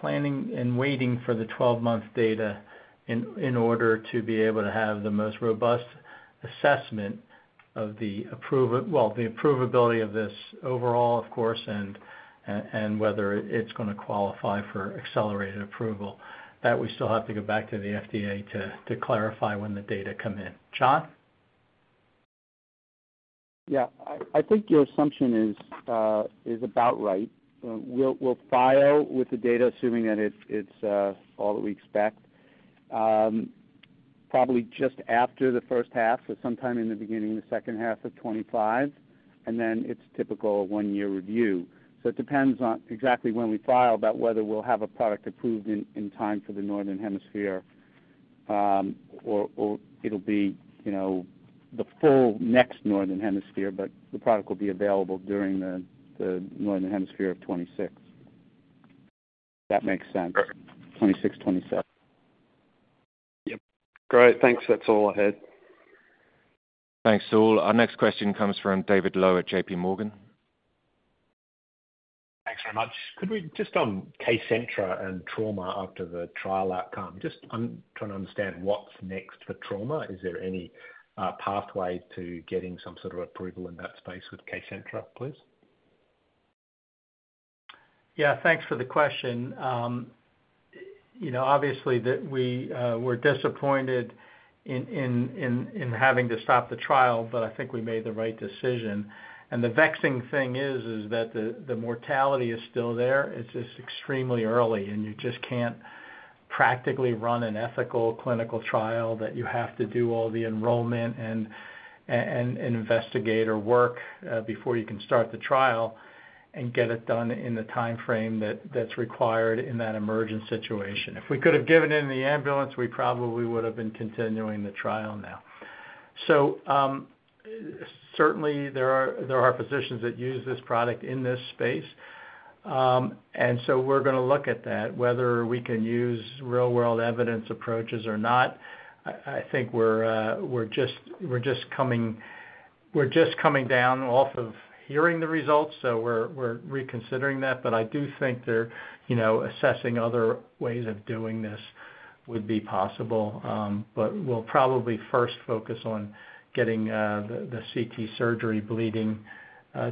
S2: planning and waiting for the twelve-month data in order to be able to have the most robust assessment of the approvability of this overall, of course, and whether it's gonna qualify for accelerated approval. That we still have to go back to the FDA to clarify when the data come in. Jon?
S6: Yeah, I think your assumption is about right. We'll file with the data, assuming that it's all that we expect. Probably just after the first half, so sometime in the beginning of the second half of 2025, and then it's typical a one-year review. So it depends on exactly when we file, but whether we'll have a product approved in time for the Northern Hemisphere, or it'll be, you know, the full next Northern Hemisphere, but the product will be available during the Northern Hemisphere of 2026. If that makes sense. 2026, 2027.
S11: Yep. Great, thanks. That's all I had.
S1: Thanks, Saul. Our next question comes from David Low at JPMorgan.
S12: Thanks very much. Could we just on Kcentra and trauma after the trial outcome, just I'm trying to understand what's next for trauma. Is there any pathway to getting some sort of approval in that space with Kcentra, please?
S2: Yeah, thanks for the question. You know, obviously, that we were disappointed in having to stop the trial, but I think we made the right decision. And the vexing thing is that the mortality is still there. It's just extremely early, and you just can't practically run an ethical clinical trial that you have to do all the enrollment and investigator work before you can start the trial and get it done in the timeframe that's required in that emergent situation. If we could have given it in the ambulance, we probably would have been continuing the trial now. So, certainly there are physicians that use this product in this space. And so we're gonna look at that, whether we can use real-world evidence approaches or not. I think we're just coming down off of hearing the results, so we're reconsidering that. But I do think they're, you know, assessing other ways of doing this would be possible. But we'll probably first focus on getting the CT surgery bleeding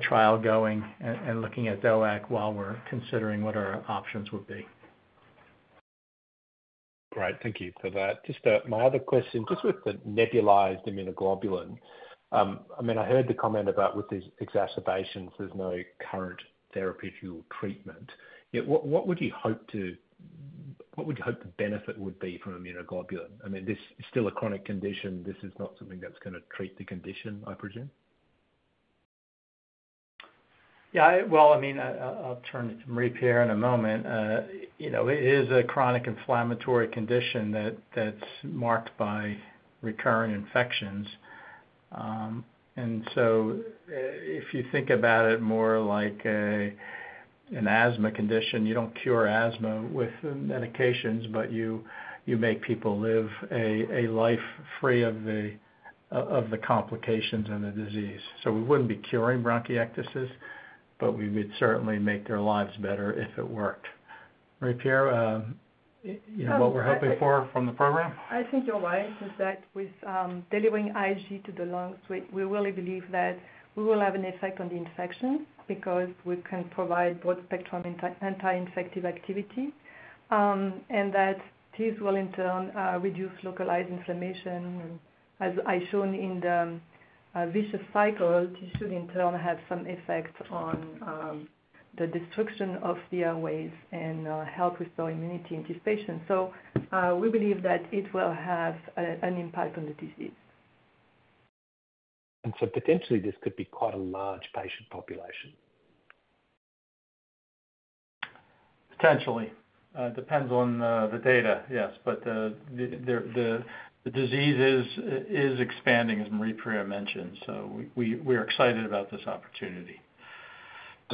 S2: trial going and looking at DOAC while we're considering what our options would be.
S12: Great. Thank you for that. Just, my other question, just with the nebulized immunoglobulin. I mean, I heard the comment about with these exacerbations, there's no current therapeutic treatment. Yet, what, what would you hope to-- what would you hope the benefit would be from immunoglobulin? I mean, this is still a chronic condition. This is not something that's gonna treat the condition, I presume?
S2: Yeah, well, I mean, I'll turn it to Marie-Pierre in a moment. You know, it is a chronic inflammatory condition that's marked by recurring infections. And so if you think about it more like an asthma condition, you don't cure asthma with medications, but you make people live a life free of the complications and the disease. So we wouldn't be curing bronchiectasis, but we would certainly make their lives better if it worked. Marie-Pierre, you know what we're hoping for from the program?
S5: I think you're right, is that with delivering IG to the lungs, we really believe that we will have an effect on the infections because we can provide broad-spectrum anti-infective activity, and that this will in turn reduce localized inflammation. As I shown in the vicious cycle, this should in turn have some effect on the destruction of the airways and help restore immunity in these patients. So we believe that it will have an impact on the disease.
S12: And so potentially, this could be quite a large patient population?
S2: Potentially. It depends on the data. Yes, but the disease is expanding, as Marie-Pierre mentioned, so we're excited about this opportunity.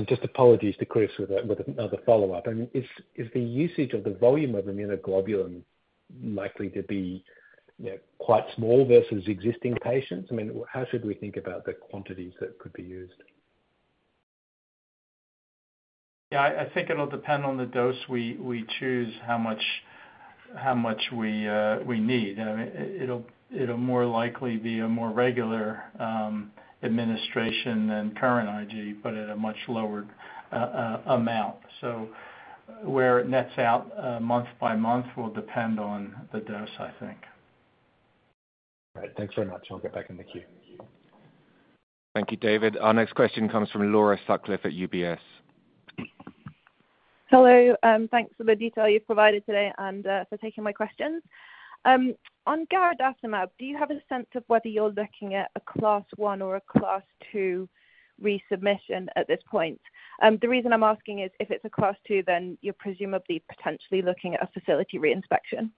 S12: Just apologies to Chris with another follow-up. I mean, is the usage of the volume of immunoglobulin likely to be, you know, quite small versus existing patients? I mean, how should we think about the quantities that could be used?
S2: Yeah, I think it'll depend on the dose we choose, how much we need. I mean, it'll more likely be a more regular administration than current IG, but at a much lower amount. So where it nets out, month by month will depend on the dose, I think.
S12: All right. Thanks very much. I'll get back in the queue.
S1: Thank you, David. Our next question comes from Laura Sutcliffe at UBS.
S13: Hello. Thanks for the detail you've provided today and, for taking my questions. On garadacimab, do you have a sense of whether you're looking at a Class 1 or a Class 2 resubmission at this point? The reason I'm asking is, if it's a Class 2, then you're presumably potentially looking at a facility reinspection.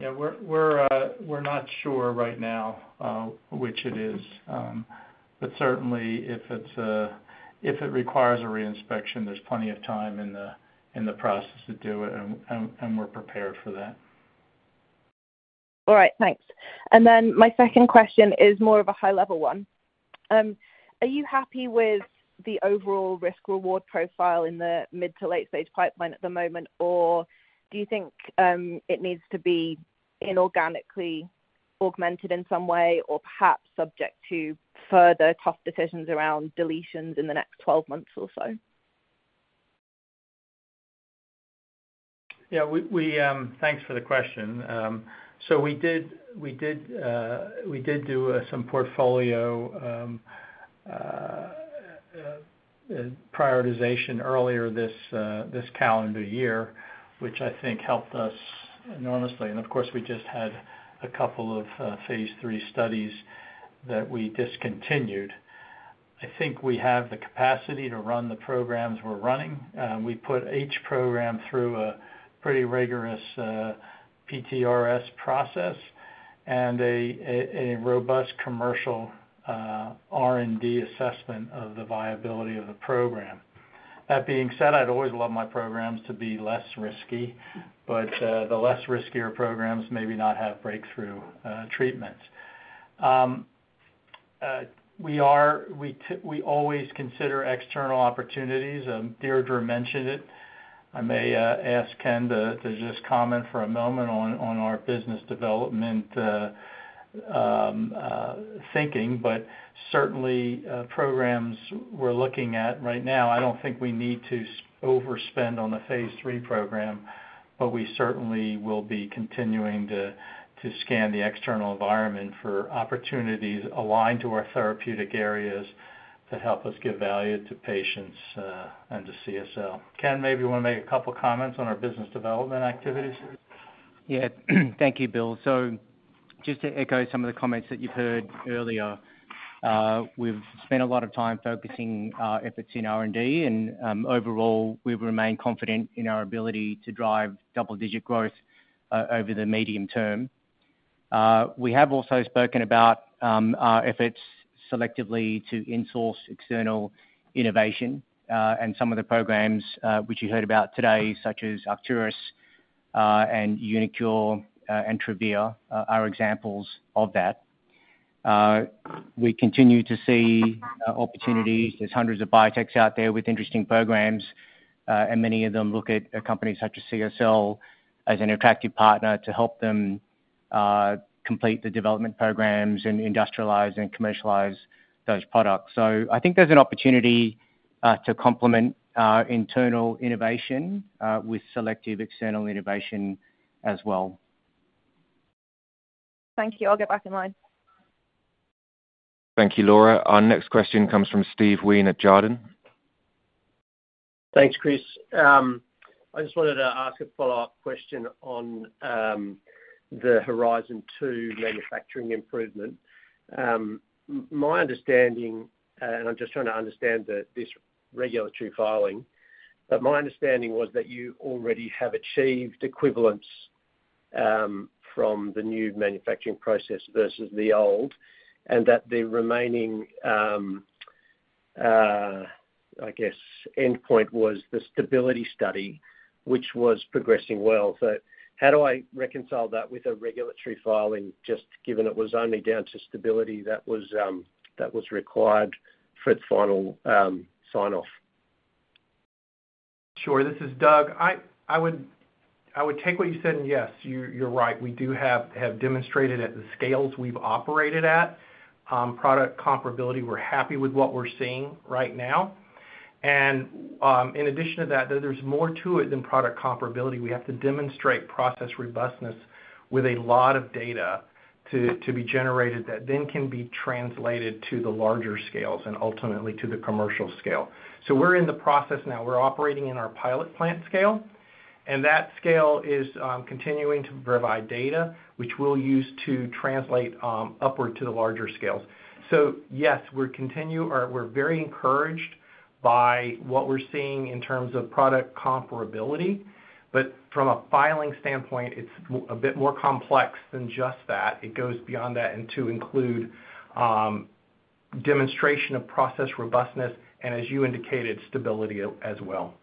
S2: Yeah, we're not sure right now which it is, but certainly if it requires a reinspection, there's plenty of time in the process to do it, and we're prepared for that.
S13: All right, thanks. And then my second question is more of a high-level one. Are you happy with the overall risk-reward profile in the mid to late-stage pipeline at the moment? Or do you think it needs to be inorganically augmented in some way, or perhaps subject to further tough decisions around deletions in the next twelve months or so?
S2: Yeah, thanks for the question. So we did some portfolio prioritization earlier this calendar year, which I think helped us enormously. And of course, we just had a couple of Phase 3 studies that we discontinued. I think we have the capacity to run the programs we're running. We put each program through a pretty rigorous PTRS process and a robust commercial R&D assessment of the viability of the program. That being said, I'd always love my programs to be less risky, but the less riskier programs maybe not have breakthrough treatments. We always consider external opportunities. Deirdre mentioned it. I may ask Ken to just comment for a moment on our business development thinking, but certainly, programs we're looking at right now, I don't think we need to overspend on a Phase 3 program, but we certainly will be continuing to scan the external environment for opportunities aligned to our therapeutic areas to help us give value to patients, and to CSL. Ken, maybe you want to make a couple comments on our business development activities?
S14: Yeah. Thank you, Bill. So just to echo some of the comments that you've heard earlier, we've spent a lot of time focusing our efforts in R&D, and, overall, we've remained confident in our ability to drive double-digit growth over the medium term. We have also spoken about, our efforts selectively to in-source external innovation, and some of the programs, which you heard about today, such as Arcturus, and uniQure, and Travere, are, are examples of that. We continue to see, opportunities. There's hundreds of biotechs out there with interesting programs, and many of them look at a company such as CSL as an attractive partner to help them, complete the development programs and industrialize and commercialize those products. So I think there's an opportunity to complement our internal innovation with selective external innovation as well.
S13: Thank you. I'll get back in line.
S1: Thank you, Laura. Our next question comes from Steve Wheen at Jarden.
S15: Thanks, Chris. I just wanted to ask a follow-up question on the Horizon 2 manufacturing improvement. My understanding, and I'm just trying to understand this regulatory filing, but my understanding was that you already have achieved equivalence from the new manufacturing process versus the old, and that the remaining, I guess, endpoint was the stability study, which was progressing well. So how do I reconcile that with a regulatory filing, just given it was only down to stability that was required for its final sign-off?
S4: Sure. This is Doug. I would take what you said, and yes, you're right. We have demonstrated at the scales we've operated at product comparability. We're happy with what we're seeing right now. And in addition to that, there's more to it than product comparability. We have to demonstrate process robustness with a lot of data to be generated that then can be translated to the larger scales and ultimately to the commercial scale. So we're in the process now. We're operating in our pilot plant scale, and that scale is continuing to provide data which we'll use to translate upward to the larger scales. So yes, we're very encouraged by what we're seeing in terms of product comparability, but from a filing standpoint, it's a bit more complex than just that. It goes beyond that and to include demonstration of process robustness, and as you indicated, stability as well.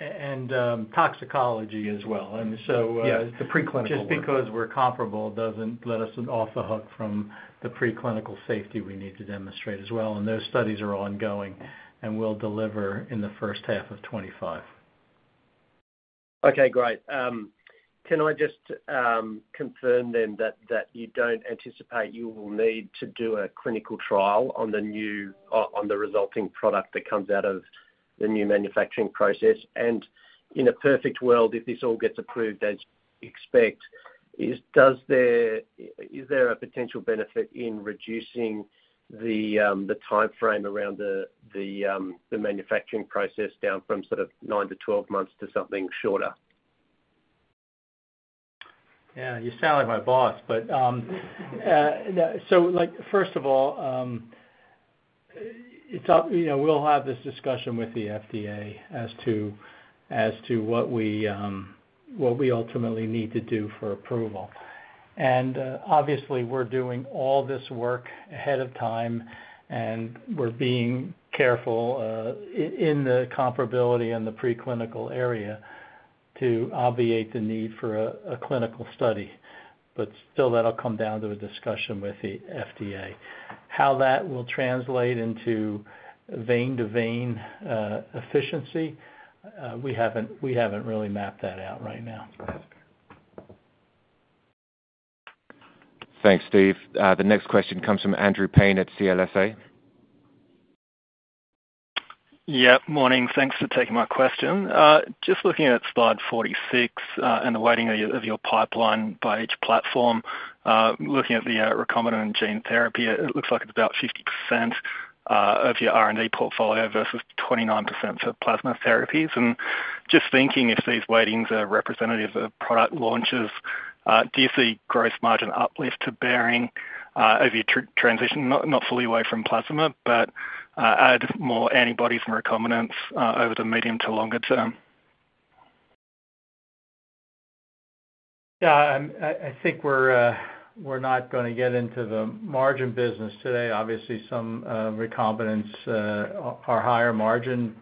S2: And toxicology as well. And so,
S4: Yes, the preclinical work.
S2: Just because we're comparable doesn't let us off the hook from the preclinical safety we need to demonstrate as well, and those studies are ongoing and will deliver in the first half of 2025.
S15: Okay, great. Can I just confirm then that you don't anticipate you will need to do a clinical trial on the new, on the resulting product that comes out of the new manufacturing process? And in a perfect world, if this all gets approved as you expect, is there a potential benefit in reducing the timeframe around the manufacturing process down from sort of nine to twelve months to something shorter?
S2: Yeah, you sound like my boss, but so, like, first of all, you know, we'll have this discussion with the FDA as to what we ultimately need to do for approval. Obviously, we're doing all this work ahead of time, and we're being careful in the comparability and the preclinical area to obviate the need for a clinical study. Still, that'll come down to a discussion with the FDA. How that will translate into vein to vein efficiency, we haven't really mapped that out right now.
S1: Thanks, Steve. The next question comes from Andrew Paine at CLSA.
S16: Yeah, morning. Thanks for taking my question. Just looking at slide 46, and the weighting of your pipeline by each platform, looking at the recombinant gene therapy, it looks like it's about 50% of your R&D portfolio versus 29% for plasma therapies. And just thinking if these weightings are representative of product launches, do you see gross margin uplift to Behring over your transition? Not fully away from plasma, but add more antibodies and recombinants over the medium to longer term.
S2: Yeah, I think we're not gonna get into the margin business today. Obviously, some recombinants are higher margin.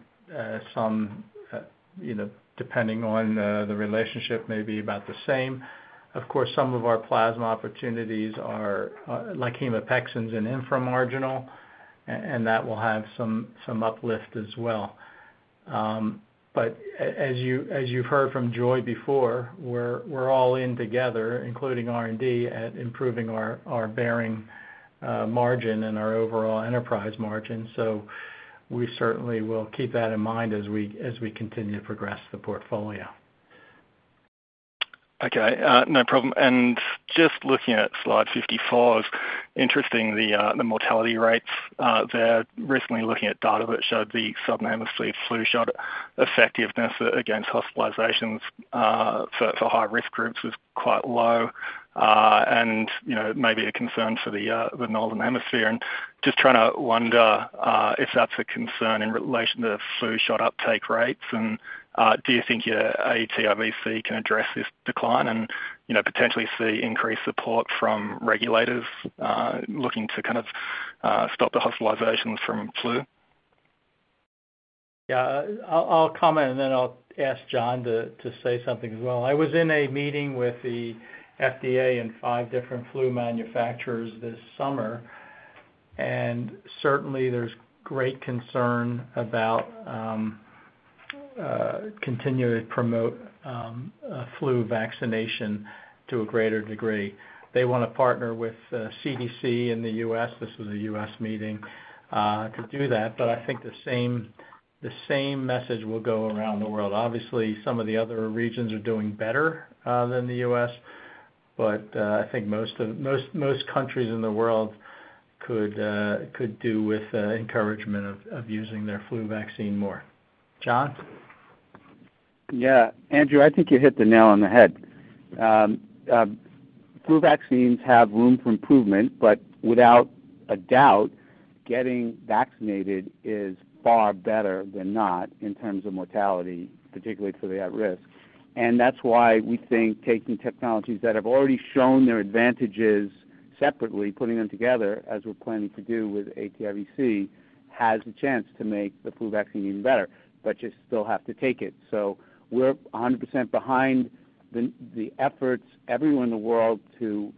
S2: Some, you know, depending on the relationship, may be about the same. Of course, some of our plasma opportunities are like hemopexin and inframarginal, and that will have some uplift as well. But as you've heard from Joy before, we're all in together, including R&D, at improving our Behring margin and our overall enterprise margin. So we certainly will keep that in mind as we continue to progress the portfolio.
S16: Okay, no problem. Just looking at slide 54, interesting, the mortality rates. They're recently looking at data that showed the Southern Hemisphere flu shot effectiveness against hospitalizations for high-risk groups was quite low, and, you know, may be a concern for the Northern Hemisphere. Just trying to wonder if that's a concern in relation to flu shot uptake rates, and do you think your adjuvanted trivalent vaccine can address this decline and, you know, potentially see increased support from regulators looking to kind of stop the hospitalizations from flu?
S2: Yeah, I'll comment, and then I'll ask Jon to say something as well. I was in a meeting with the FDA and five different flu manufacturers this summer, and certainly there's great concern about continuing to promote flu vaccination to a greater degree. They want to partner with CDC in the U.S., this was a U.S. meeting, to do that, but I think the same message will go around the world. Obviously, some of the other regions are doing better than the U.S., but I think most countries in the world could do with encouragement of using their flu vaccine more. Jon?
S6: Yeah, Andrew, I think you hit the nail on the head. Flu vaccines have room for improvement, but without a doubt, getting vaccinated is far better than not in terms of mortality, particularly for the at-risk. And that's why we think taking technologies that have already shown their advantages separately, putting them together, as we're planning to do with aTIVc, has a chance to make the flu vaccine even better, but you still have to take it. So we're 100% behind the efforts everywhere in the world to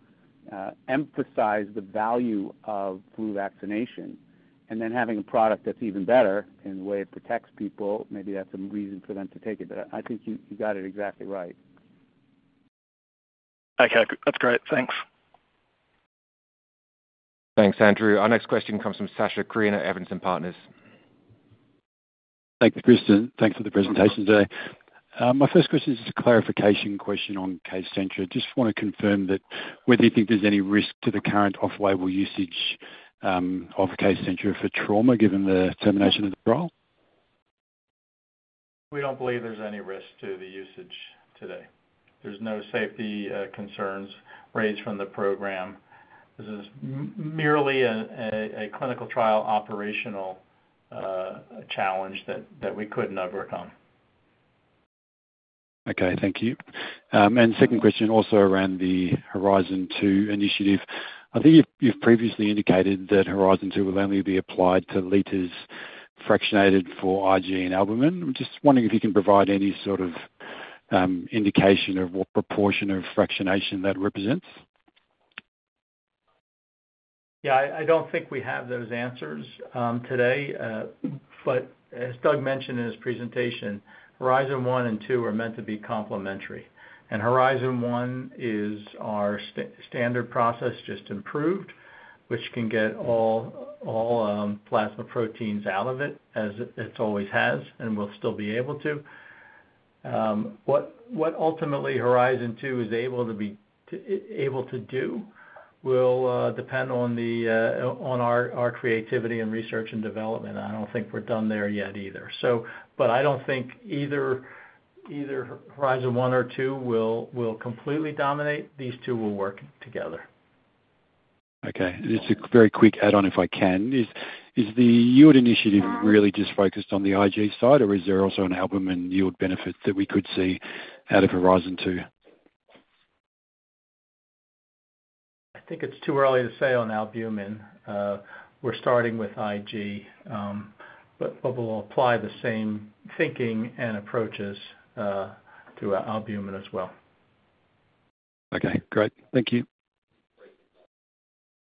S6: emphasize the value of flu vaccination, and then having a product that's even better in the way it protects people, maybe that's a reason for them to take it. But I think you got it exactly right.
S16: Okay. That's great. Thanks.
S1: Thanks, Andrew. Our next question comes from Sacha Krien at Evans & Partners.
S17: Thank you, Chris. Thanks for the presentation today. My first question is a clarification question on Kcentra. Just want to confirm that whether you think there's any risk to the current off-label usage of Kcentra for trauma, given the termination of the trial?
S2: We don't believe there's any risk to the usage today. There's no safety concerns raised from the program. This is merely a clinical trial operational challenge that we couldn't overcome.
S17: Okay, thank you. And second question, also around the Horizon 2 initiative. I think you've, you've previously indicated that Horizon 2 will only be applied to liters fractionated for IG and albumin. I'm just wondering if you can provide any sort of indication of what proportion of fractionation that represents.
S2: Yeah, I don't think we have those answers today. But as Doug mentioned in his presentation, Horizon 1 and 2 are meant to be complementary, and Horizon 1 is our standard process, just improved, which can get all plasma proteins out of it, as it always has, and will still be able to. What ultimately Horizon 2 is able to be able to do will depend on our creativity and research and development. I don't think we're done there yet either. But I don't think either Horizon 1 or 2 will completely dominate. These two will work together.
S17: Okay. Just a very quick add-on, if I can. Is the yield initiative really just focused on the IG side, or is there also an albumin yield benefit that we could see out of Horizon 2?
S2: I think it's too early to say on albumin. We're starting with IG, but we'll apply the same thinking and approaches to our albumin as well.
S17: Okay, great. Thank you.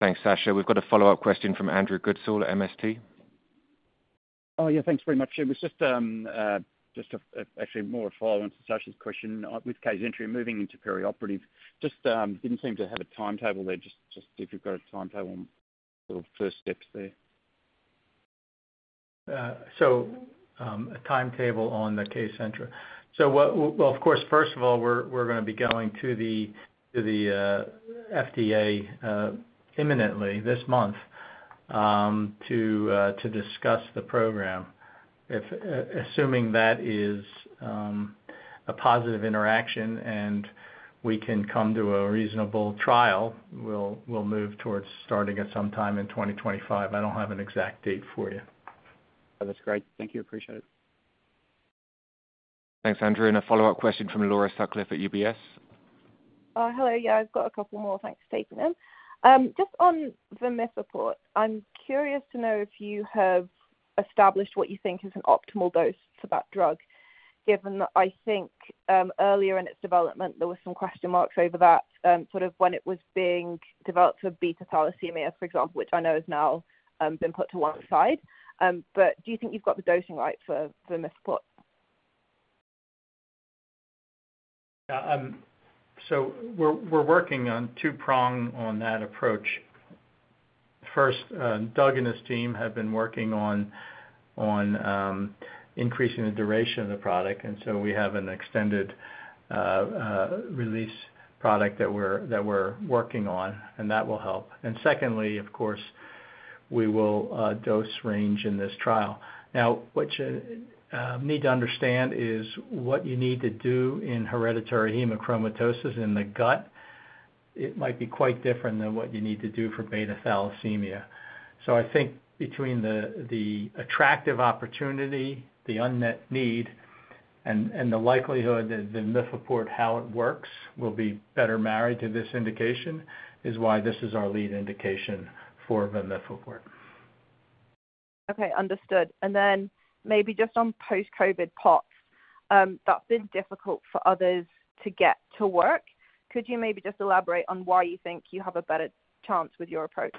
S1: Thanks, Sacha. We've got a follow-up question from Andrew Goodsall at MST.
S9: Oh, yeah, thanks very much. It was just actually more of a follow-on to Sacha's question. With Kcentra moving into perioperative, just didn't seem to have a timetable there. Just if you've got a timetable on sort of first steps there.
S2: A timetable on the Kcentra. Well, of course, first of all, we're gonna be going to the FDA imminently, this month, to discuss the program. If assuming that is a positive interaction and we can come to a reasonable trial, we'll move towards starting at some time in twenty twenty-five. I don't have an exact date for you.
S9: That's great. Thank you. Appreciate it.
S1: Thanks, Andrew, and a follow-up question from Laura Sutcliffe at UBS.
S13: Hello. Yeah, I've got a couple more. Thanks for taking them. Just on the vamifeport, I'm curious to know if you have established what you think is an optimal dose for that drug, given that I think, earlier in its development, there were some question marks over that, sort of when it was being developed for beta thalassemia, for example, which I know has now, been put to one side. But do you think you've got the dosing right for vamifeport?
S2: Yeah, so we're working on two-prong on that approach. First, Doug and his team have been working on increasing the duration of the product, and so we have an extended release product that we're working on, and that will help. And secondly, of course, we will dose range in this trial. Now, what you need to understand is what you need to do in hereditary hemochromatosis in the gut, it might be quite different than what you need to do for beta thalassemia. So I think between the attractive opportunity, the unmet need, and the likelihood that vamifeport, how it works, will be better married to this indication, is why this is our lead indication for vamifeport.
S13: Okay, understood. And then maybe just on post-COVID POTS, that's been difficult for others to get to work. Could you maybe just elaborate on why you think you have a better chance with your approach?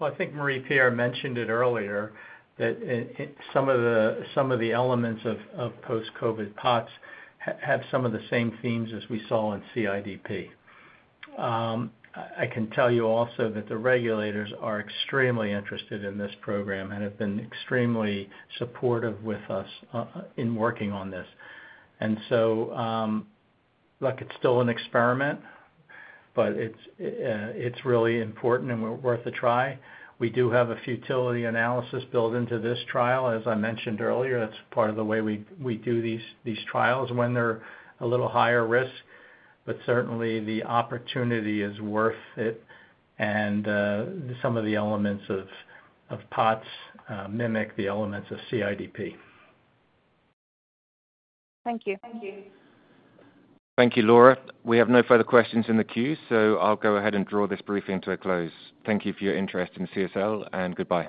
S2: I think Marie-Pierre mentioned it earlier, that it some of the elements of post-COVID POTS have some of the same themes as we saw in CIDP. I can tell you also that the regulators are extremely interested in this program and have been extremely supportive with us in working on this. And so, look, it's still an experiment, but it's really important and worth a try. We do have a futility analysis built into this trial, as I mentioned earlier. That's part of the way we do these trials when they're a little higher risk, but certainly the opportunity is worth it, and some of the elements of POTS mimic the elements of CIDP.
S13: Thank you. Thank you.
S1: Thank you, Laura. We have no further questions in the queue, so I'll go ahead and draw this briefing to a close. Thank you for your interest in CSL, and goodbye.